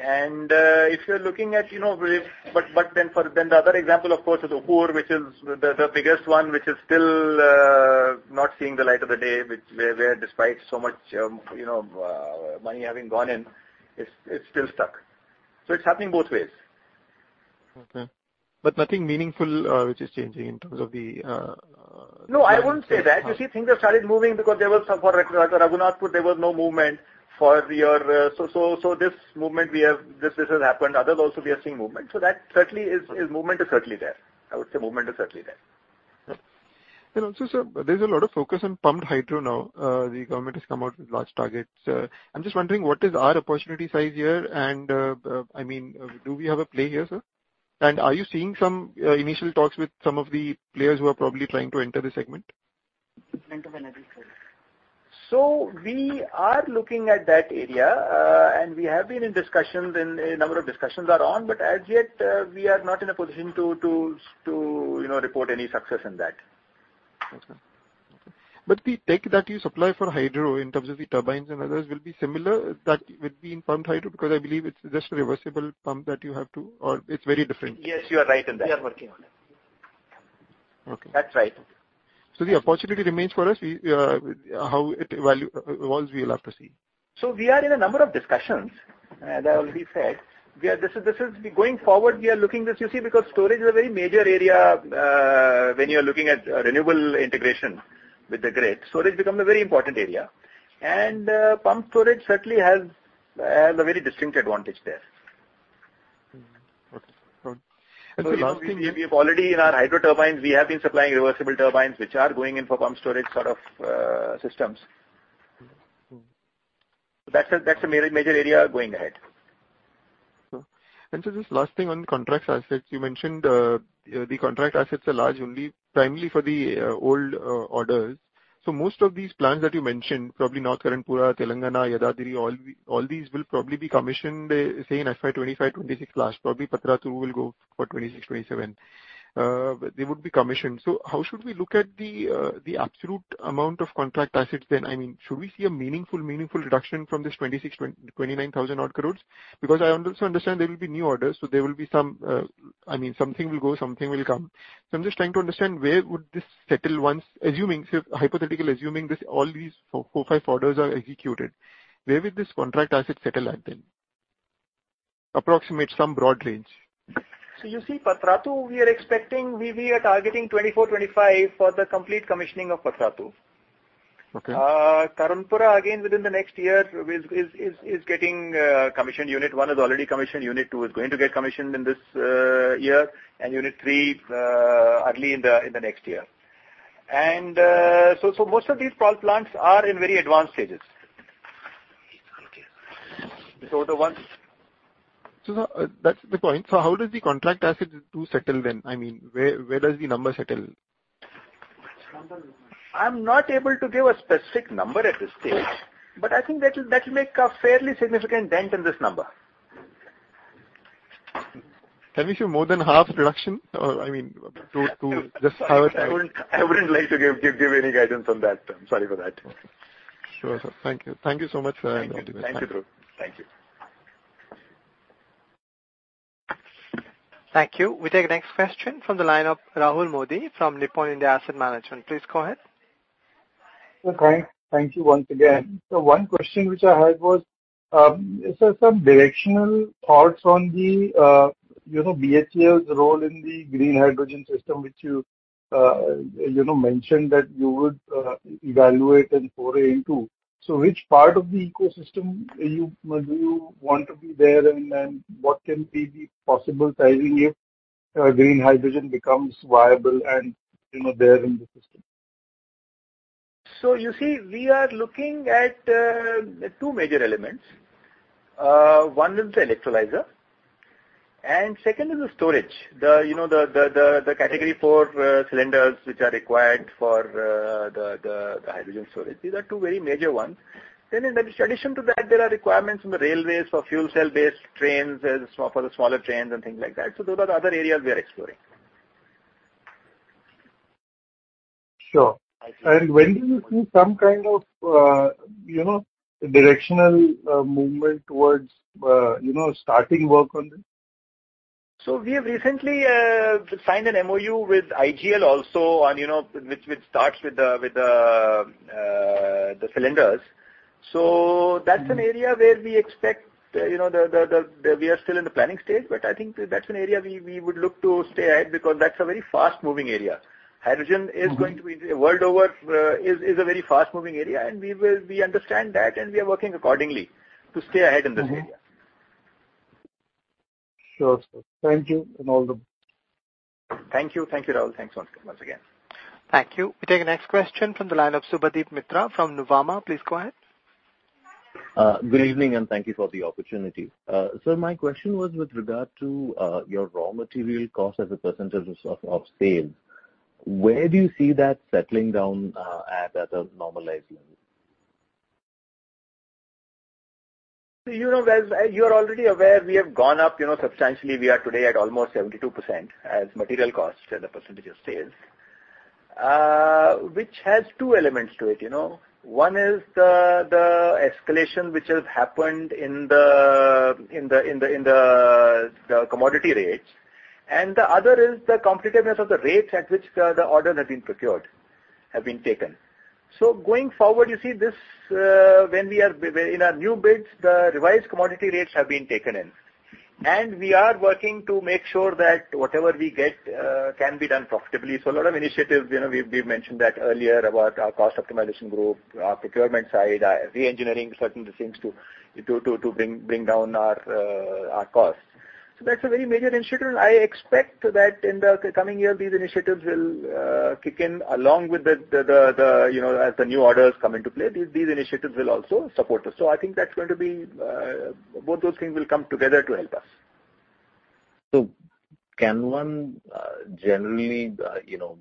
If you're looking at, you know, then the other example, of course, is Ukai, which is the biggest one, which is still not seeing the light of the day, which where despite so much, you know, money having gone in, it's still stuck. It's happening both ways. Okay. nothing meaningful, which is changing in terms of the. I wouldn't say that. You see, things have started moving because there was some for Raghunathpur, there was no movement for years. This movement we have, this has happened, others also we are seeing movement. That certainly is movement is certainly there. I would say movement is certainly there. Also, sir, there's a lot of focus on pumped hydro now. The government has come out with large targets. I'm just wondering, what is our opportunity size here, and, I mean, do we have a play here, sir? Are you seeing some initial talks with some of the players who are probably trying to enter the segment? We are looking at that area, and we have been in discussions and a number of discussions are on, but as yet, we are not in a position to, you know, report any success in that. Okay. The tech that you supply for hydro in terms of the turbines and others will be similar, that would be in pumped hydro, because I believe it's just a reversible pump that you have to, or it's very different? Yes, you are right in that. We are working on it. Okay. That's right. The opportunity remains for us, how it evolves, we'll have to see. We are in a number of discussions, that will be said. Going forward, we are looking this, you see, because storage is a very major area, when you are looking at renewable integration with the grid. Storage becomes a very important area, and pump storage certainly has a very distinct advantage there. Okay. The last thing. We've already in our hydro turbines, we have been supplying reversible turbines, which are going in for pump storage sort of systems. Mm-hmm. That's a, that's a major area going ahead. This last thing on contract assets. You mentioned, the contract assets are large only primarily for the old orders. Most of these plants that you mentioned, probably North Karanpura, Telangana, Yadadri, all these will probably be commissioned, say, in FY 2025, 2026 last. Probably Patratu will go for 2026, 2027. They would be commissioned. How should we look at the absolute amount of contract assets then? I mean, should we see a meaningful reduction from this 26,000- 29,000 odd crores? Because I also understand there will be new orders, there will be some, I mean, something will go, something will come. I'm just trying to understand where would this settle once, assuming, hypothetical assuming, this, all these four, five orders are executed, where will this contract asset settle at then? Approximate, some broad range. You see, Patratu, we are expecting, we are targeting 2024, 2025 for the complete commissioning of Patratu. Okay. Karanpura, again, within the next year is getting commissioned. Unit 1 is already commissioned, Unit 2 is going to get commissioned in this year, and Unit 3 early in the next year. Most of these plants are in very advanced stages. Okay. So the ones- That's the point. How does the contract assets do settle then? I mean, where does the number settle? I'm not able to give a specific number at this stage, but I think that'll make a fairly significant dent in this number. Can we see more than half reduction? I mean, to just have. I wouldn't like to give any guidance on that. I'm sorry for that. Sure, sir. Thank you. Thank you so much, sir. Thank you. Thank you, Dhruv. Thank you. Thank you. We take the next question from the line of Rahul Modi from Nippon Life India Asset Management. Please go ahead. Thank you once again. One question which I had was, some directional thoughts on the, you know, BHEL's role in the green hydrogen system, which you know, mentioned that you would evaluate and foray into. Which part of the ecosystem do you want to be there, and then what can be the possible timing if green hydrogen becomes viable and, you know, there in the system? You see, we are looking at two major elements. One is the electrolyzer, and second is the storage. You know, the category four cylinders, which are required for the hydrogen storage. These are two very major ones. In addition to that, there are requirements in the railways for fuel cell-based trains, as for the smaller trains and things like that. Those are the other areas we are exploring. Sure. I see. When do you see some kind of, you know, directional movement towards, you know, starting work on this? We have recently signed an MoU with IGL also on, you know, which starts with the cylinders. That's an area where we expect, you know, we are still in the planning stage, but I think that's an area we would look to stay ahead, because that's a very fast-moving area. Hydrogen is going to be, world over, a very fast-moving area, and we understand that, and we are working accordingly to stay ahead in this area. Mm-hmm. Sure, sir. Thank you. Thank you. Thank you, Rahul. Thanks once again. Thank you. We take the next question from the line of Subhadip Mitra from Nuvama. Please go ahead. Good evening. Thank you for the opportunity. Sir, my question was with regard to your raw material cost as a percentage of sales. Where do you see that settling down at a normalized level? You know, as you are already aware, we have gone up, you know, substantially. We are today at almost 72% as material costs as a percentage of sales. Which has two elements to it, you know. One is the escalation, which has happened in the commodity rates, and the other is the competitiveness of the rates at which the order has been procured, have been taken. Going forward, you see this, when in our new bids, the revised commodity rates have been taken in. We are working to make sure that whatever we get, can be done profitably. A lot of initiatives, you know, we mentioned that earlier about our cost optimization group, our procurement side, our reengineering certain things to bring down our costs. That's a very major initiative. I expect that in the coming year, these initiatives will kick in along with the, you know, as the new orders come into play, these initiatives will also support us. I think that's going to be both those things will come together to help us. Can one, generally, you know,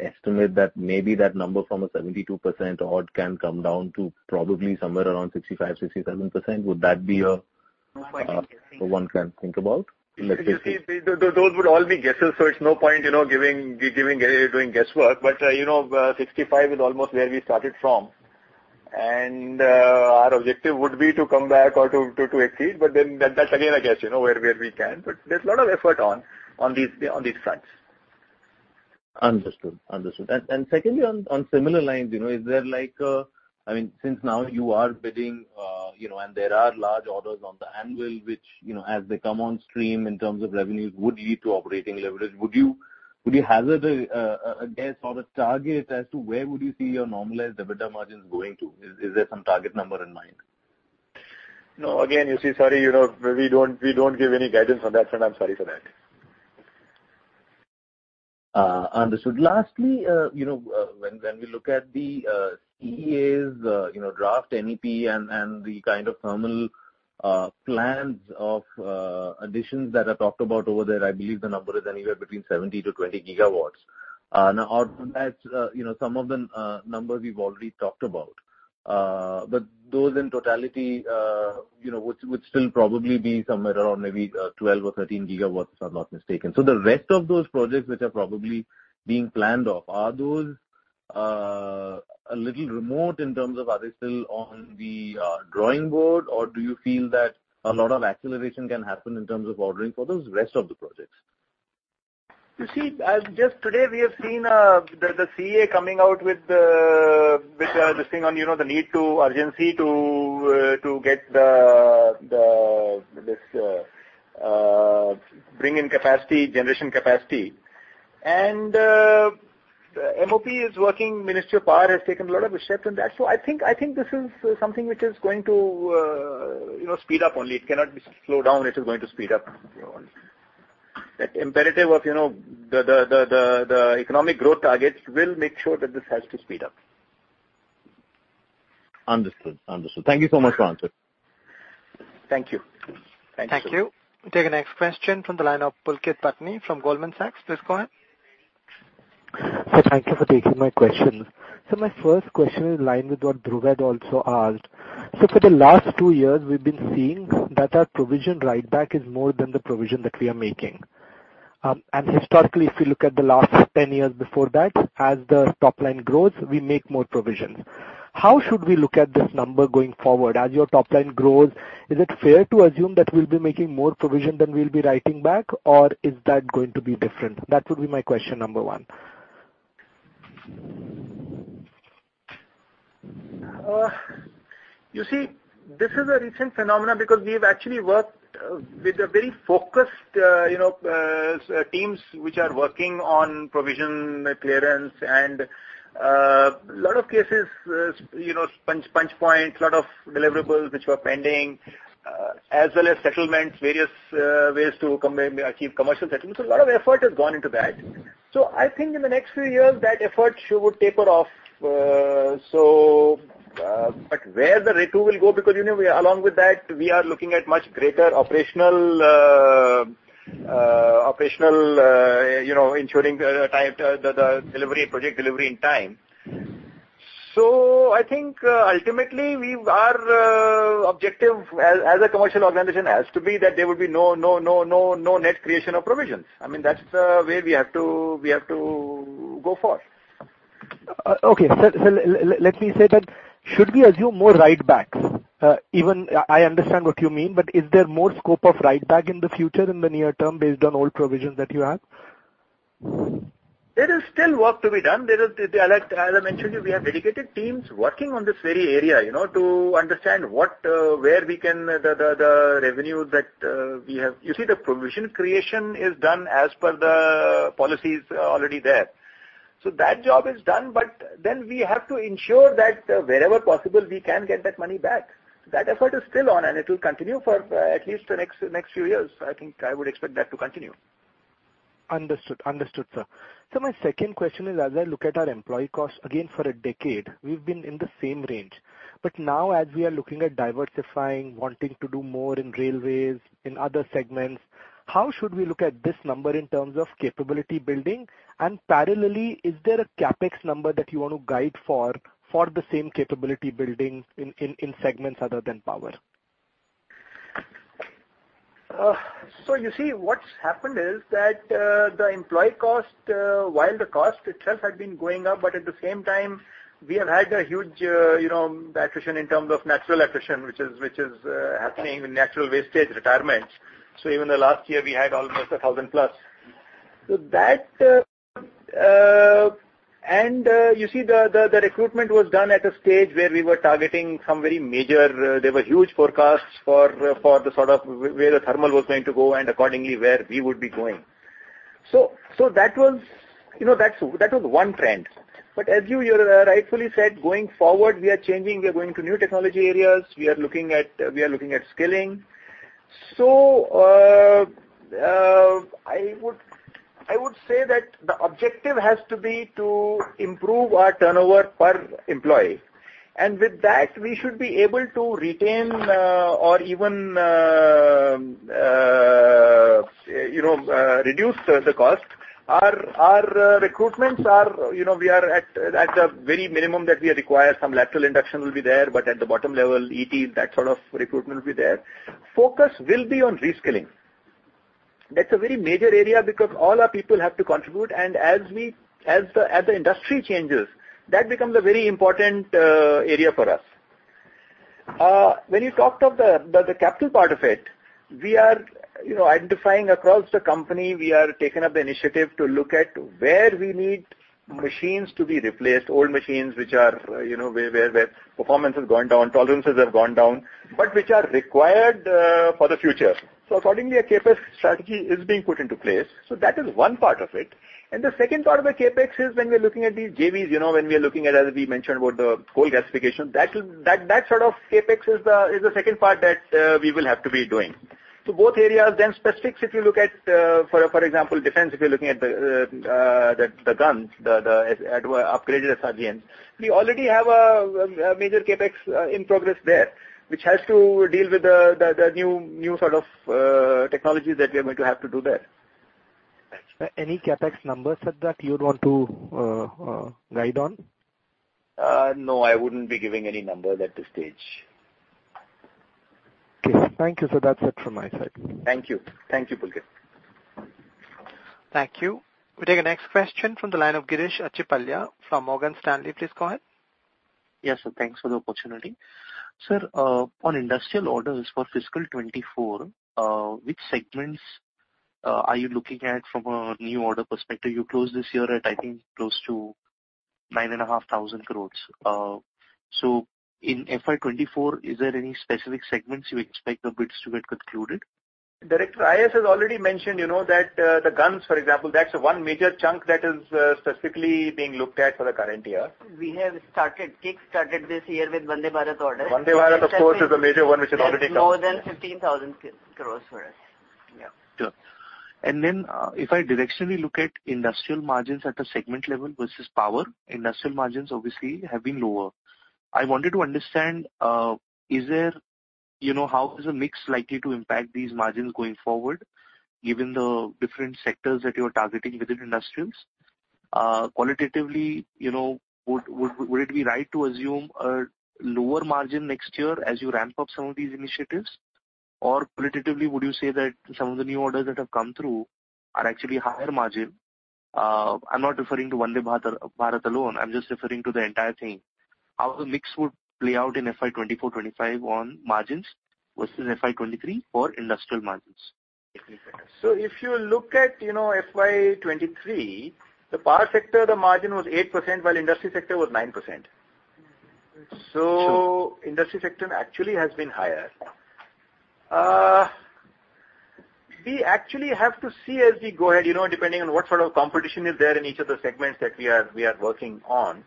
estimate that maybe that number from a 72% odd can come down to probably somewhere around 65%-67%? Would that be Quite interesting. One can think about? You see, those would all be guesses, so it's no point, you know, giving doing guesswork. You know, 65% is almost where we started from. Our objective would be to come back or to exceed, but then that's again, a guess, you know, where we can. There's a lot of effort on these fronts. Understood. Understood. Secondly, on similar lines, you know, is there like, I mean, since now you are bidding, you know, and there are large orders on the anvil, which, you know, as they come on stream in terms of revenues, would lead to operating leverage. Would you hazard a guess or a target as to where would you see your normalized EBITDA margins going to? Is there some target number in mind? No, again, you see, sorry, you know, we don't give any guidance on that front. I'm sorry for that. Understood. Lastly, you know, when we look at the CEA's, you know, draft NEP and the kind of thermal plans of additions that are talked about over there, I believe the number is anywhere between 70 GW-20 GW. Now, out of that, you know, some of the numbers we've already talked about. Those in totality, you know, would still probably be somewhere around maybe 12 GW or 13 GW, if I'm not mistaken. The rest of those projects, which are probably being planned off, are those a little remote in terms of are they still on the drawing board, or do you feel that a lot of acceleration can happen in terms of ordering for those rest of the projects? You see, as just today, we have seen the CEA coming out with the, with the thing on, you know, the need to urgency to get this bring in capacity, generation capacity. MOP is working, Ministry of Power, has taken a lot of steps in that. I think this is something which is going to, you know, speed up only. It cannot be slowed down. It is going to speed up. That imperative of, you know, the economic growth targets will make sure that this has to speed up. Understood. Understood. Thank you so much for answer. Thank you. Thank you. Thank you. We take the next question from the line of Pulkit Patni from Goldman Sachs. Please go ahead. Sir, thank you for taking my questions. My first question is in line with what Dhruv had also asked. For the last two years, we've been seeing that our provision write back is more than the provision that we are making. Historically, if you look at the last 10 years before that, as the top line grows, we make more provisions. How should we look at this number going forward? As your top line grows, is it fair to assume that we'll be making more provision than we'll be writing back, or is that going to be different? That would be my question number one. You see, this is a recent phenomenon because we've actually worked with a very focused, you know, teams which are working on provision clearance, and a lot of cases, you know, punch points, a lot of deliverables which were pending, as well as settlements, various ways to achieve commercial settlements. A lot of effort has gone into that. I think in the next few years, that effort sure would taper off. Where the rate two will go, because, you know, we along with that, we are looking at much greater operational, you know, ensuring the time, the delivery, project delivery in time. I think, ultimately, we, our, objective as a commercial organization has to be that there will be no net creation of provisions. I mean, that's the way we have to, we have to go forth. Okay. Let me say that. Should we assume more write backs? Even I understand what you mean. Is there more scope of write back in the future, in the near term, based on all provisions that you have? There is still work to be done. There is, as I mentioned to you, we have dedicated teams working on this very area, you know, to understand what, where we can the revenue that we have. You see, the provision creation is done as per the policies already there. That job is done. We have to ensure that wherever possible, we can get that money back. That effort is still on, and it will continue for at least the next few years. I think I would expect that to continue. Understood. Understood, sir. My second question is, as I look at our employee costs, again, for a decade, we've been in the same range. Now as we are looking at diversifying, wanting to do more in railways, in other segments, how should we look at this number in terms of capability building? Parallelly, is there a CapEx number that you want to guide for the same capability building in segments other than power? You see, what's happened is that the employee cost, while the cost itself had been going up, at the same time, we have had a huge, you know, the attrition in terms of natural attrition, which is, which is happening in natural wastage, retirements. Even the last year, we had almost 1,000+. That and you see, the recruitment was done at a stage where we were targeting some very major. There were huge forecasts for the sort of where the thermal was going to go and accordingly, where we would be going. That was, you know, that's, that was one trend. As you rightfully said, going forward, we are changing. We are going to new technology areas. We are looking at skilling. I would say that the objective has to be to improve our turnover per employee, and with that, we should be able to retain, or even, you know, reduce the cost. Our recruitments are, you know, we are at the very minimum that we require. Some lateral induction will be there, but at the bottom level, ET, that sort of recruitment will be there. Focus will be on reskilling. That's a very major area because all our people have to contribute, and as the industry changes, that becomes a very important area for us. When you talked of the capital part of it, we are, you know, identifying across the company, we are taking up the initiative to look at where we need machines to be replaced, old machines, which are, you know, where performance has gone down, tolerances have gone down, but which are required for the future. Accordingly, a CapEx strategy is being put into place. That is one part of it. The second part of the CapEx is when we are looking at these JVs, you know, when we are looking at, as we mentioned, about the coal gasification, that sort of CapEx is the second part that we will have to be doing. Both areas, specifics, if you look at, for example, defense, if you're looking at the guns, the upgraded SRGM. We already have a major CapEx in progress there, which has to deal with the new sort of technologies that we are going to have to do there. Any CapEx numbers that you'd want to guide on? No, I wouldn't be giving any numbers at this stage. Okay, thank you, sir. That's it from my side. Thank you. Thank you, Pulkit. Thank you. We take the next question from the line of Girish Achhipalia from Morgan Stanley. Please go ahead. Yes, sir. Thanks for the opportunity. Sir, on industrial orders for fiscal 2024, which segments, are you looking at from a new order perspective? You closed this year at, I think, close to 9,500 crores. In FY 2024, is there any specific segments you expect the bids to get concluded? Director IAS has already mentioned, you know, that the guns, for example, that's one major chunk that is specifically being looked at for the current year. We have started, kick-started this year with Vande Bharat order. Vande Bharat, of course, is a major one, which has already come. More than 15,000 crores for us. Yeah, sure. If I directionally look at industrial margins at the segment level versus power, industrial margins obviously have been lower. I wanted to understand, you know, how is the mix likely to impact these margins going forward, given the different sectors that you're targeting within industrials? Qualitatively, you know, would it be right to assume a lower margin next year as you ramp up some of these initiatives? Or qualitatively, would you say that some of the new orders that have come through are actually higher margin? I'm not referring to Vande Bharat alone. I'm just referring to the entire thing. How the mix would play out in FY 2024, 2025 on margins versus FY 2023 for industrial margins? If you look at, you know, FY 2023, the power sector, the margin was 8%, while industry sector was 9%. Sure. Industry sector actually has been higher. We actually have to see as we go ahead, you know, depending on what sort of competition is there in each of the segments that we are, we are working on.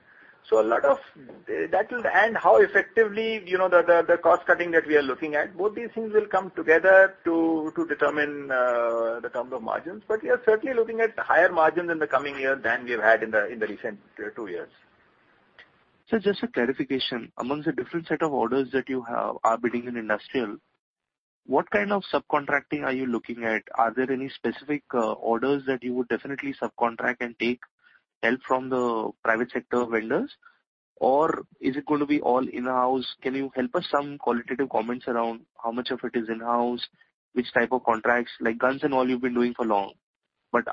That will, and how effectively, you know, the, the cost cutting that we are looking at, both these things will come together to determine the terms of margins. We are certainly looking at higher margins in the coming year than we have had in the, in the recent two years. Just a clarification. Amongst the different set of orders that you have are bidding in industrial, what kind of subcontracting are you looking at? Are there any specific orders that you would definitely subcontract and take help from the private sector vendors, or is it going to be all in-house? Can you help us some qualitative comments around how much of it is in-house, which type of contracts? Like, guns and all, you've been doing for long.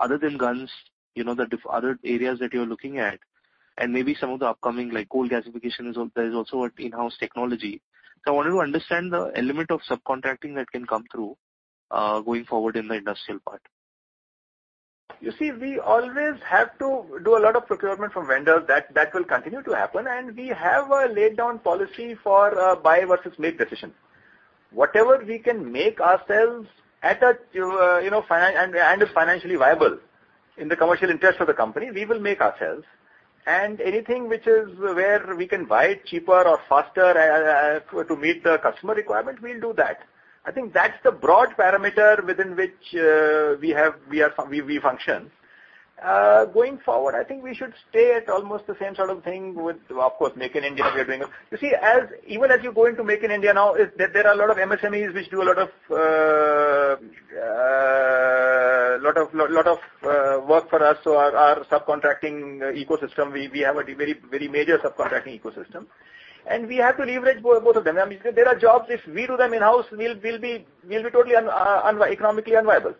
Other than guns, you know, other areas that you're looking at, and maybe some of the upcoming, like coal gasification is also an in-house technology. I wanted to understand the element of subcontracting that can come through going forward in the industrial part. You see, we always have to do a lot of procurement from vendors. That will continue to happen, and we have a laid down policy for buy versus make decision. Whatever we can make ourselves at a, you know, and is financially viable in the commercial interest of the company, we will make ourselves. Anything which is where we can buy cheaper or faster to meet the customer requirement, we'll do that. I think that's the broad parameter within which we function. Going forward, I think we should stay at almost the same sort of thing with, of course, Make in India, we are doing them. You see, as even as you go into Make in India now, there are a lot of MSMEs which do a lot of work for us. Our subcontracting ecosystem, we have a very major subcontracting ecosystem, and we have to leverage both of them. I mean, there are jobs, if we do them in-house, we'll be totally economically unviable.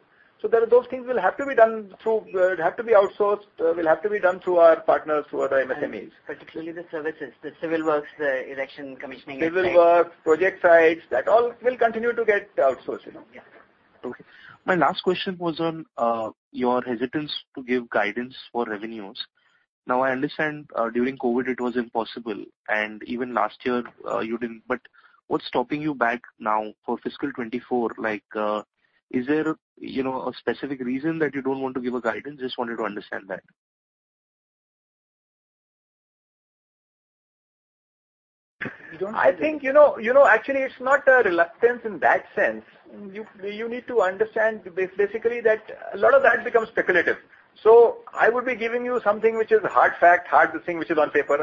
There are those things will have to be done through, have to be outsourced, will have to be done through our partners, through other MSMEs. Particularly the services, the civil works, the erection, commissioning. Civil works, project sites, that all will continue to get outsourced, you know? Yeah. Okay. My last question was on your hesitance to give guidance for revenues. I understand during COVID, it was impossible, and even last year, you didn't. What's stopping you back now for fiscal 2024? Like, you know, a specific reason that you don't want to give a guidance? Just wanted to understand that. I think, you know, actually, it's not a reluctance in that sense. You need to understand basically, that a lot of that becomes speculative. I would be giving you something which is hard fact, hard thing, which is on paper.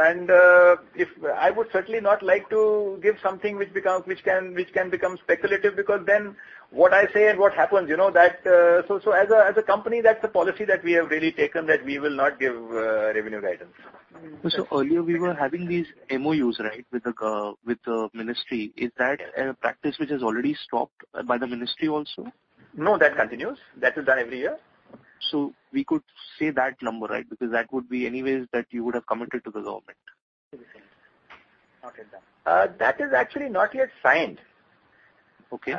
If I would certainly not like to give something which becomes, which can become speculative, because then what I say and what happens, you know, that. As a company, that's the policy that we have really taken, that we will not give revenue guidance. Earlier, we were having these MoUs, right, with the ministry. Is that a practice which has already stopped by the ministry also? No, that continues. That is done every year. We could say that number, right? Because that would be any ways that you would have committed to the government. Not yet done. That is actually not yet signed. Okay.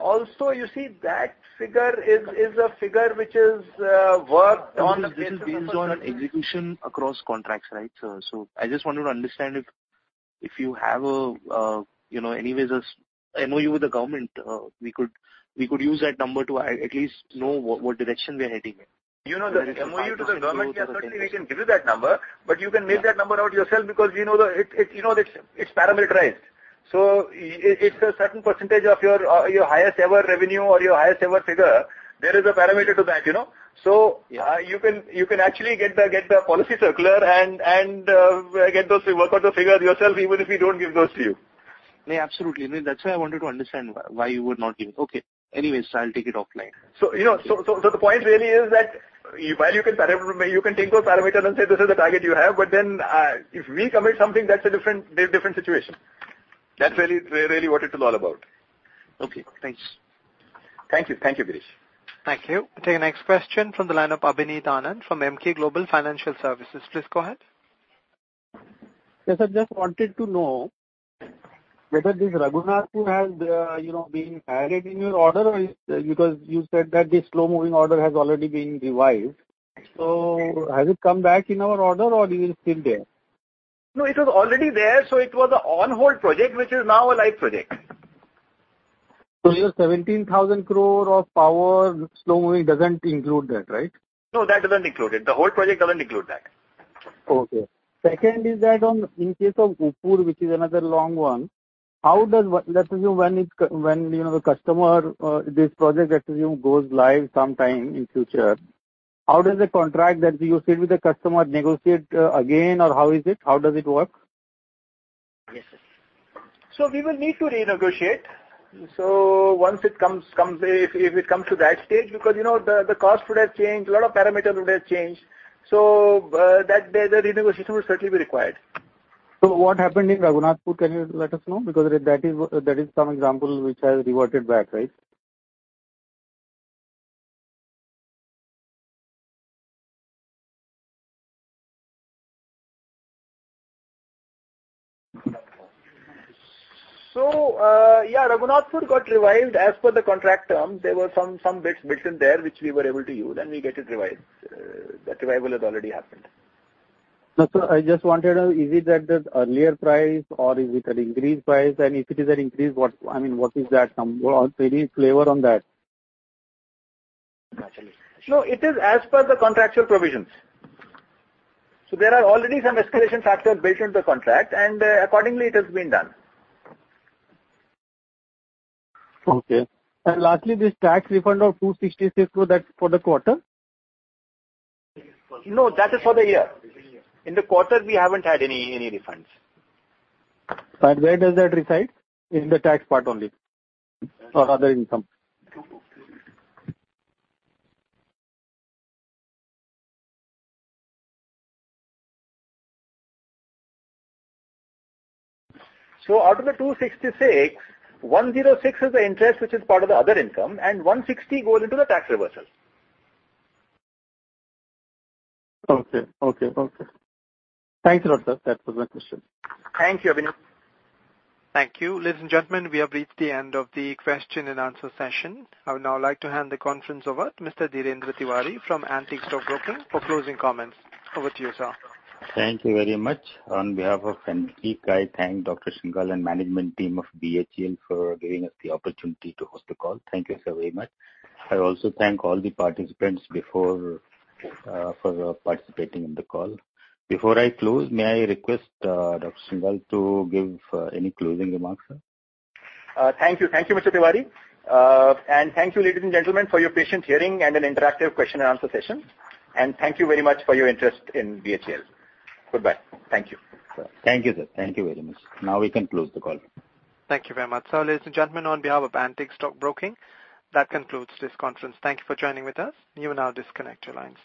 Also, you see, that figure is a figure which is worked on. This is based on execution across contracts, right, sir? I just wanted to understand if you have a, you know, any ways, an MoU with the government, we could use that number to at least know what direction we are heading in. You know, the MoU to the government, yeah, certainly we can give you that number, but you can make that number out yourself because we know the, it, you know, it's parameterized. It's a certain percentage of your highest ever revenue or your highest ever figure. There is a parameter to that, you know? You can actually get the policy circular and get those to work out the figures yourself, even if we don't give those to you. Yeah, absolutely. I mean, that's why I wanted to understand why you would not give. Okay. Anyways, I'll take it offline. you know, so the point really is that while you can you can take those parameters and say, "This is the target you have," if we commit something, that's a different situation. That's really what it is all about. Okay, thanks. Thank you. Thank you, Girish. Thank you. I'll take the next question from the line of Abhineet Anand from Emkay Global Financial Services. Please go ahead. Yes, I just wanted to know whether this Raghunathpur has, you know, been added in your order. You said that the slow-moving order has already been revived. Has it come back in our order, or it is still there? No, it was already there, so it was a on-hold project, which is now a live project. Your 17,000 crore of power slow-moving doesn't include that, right? No, that doesn't include it. The whole project doesn't include that. Okay. Second is that on, in case of Uppur, which is another long one, Let's assume when, you know, the customer, this project, let's assume, goes live sometime in future, how does the contract that you signed with the customer negotiate, again, or how is it? How does it work? We will need to renegotiate. Once it comes, if it comes to that stage, because, you know, the cost would have changed, a lot of parameters would have changed. That, the renegotiation will certainly be required. What happened in Raghunathpur, can you let us know? That is some example which has reverted back, right? yeah, Raghunathpur got revived as per the contract terms. There were some bits built in there which we were able to use, and we get it revived. That revival has already happened. No, sir, I just wanted to know, is it at the earlier price, or is it an increased price? If it is an increase, what, I mean, what is that number? Any flavor on that? No, it is as per the contractual provisions. There are already some escalation factors based on the contract, and accordingly, it has been done. Okay. Lastly, this tax refund of 266 crore, that's for the quarter? No, that is for the year. In the quarter, we haven't had any refunds. Where does that reside? In the tax part only or other income? Out of 266, 106 is the interest, which is part of the other income, and 160 goes into the tax reversal. Okay. Okay, okay. Thanks a lot, sir. That was my question. Thank you, Abhineet. Thank you. Ladies and gentlemen, we have reached the end of the question and answer session. I would now like to hand the conference over to Mr. Dhirendra Tiwari from Antique Stock Broking for closing comments. Over to you, sir. Thank you very much. On behalf of Antique, I thank Dr. Shinghal and management team of BHEL for giving us the opportunity to host the call. Thank you, sir, very much. I also thank all the participants before for participating in the call. Before I close, may I request Dr. Shinghal to give any closing remarks, sir? Thank you. Thank you, Mr. Tiwari. Thank you, ladies and gentlemen, for your patient hearing and an interactive question and answer session. Thank you very much for your interest in BHEL. Goodbye. Thank you. Thank you, sir. Thank you very much. Now we can close the call. Thank you very much. Ladies and gentlemen, on behalf of Antique Stock Broking, that concludes this conference. Thank you for joining with us. You will now disconnect your lines.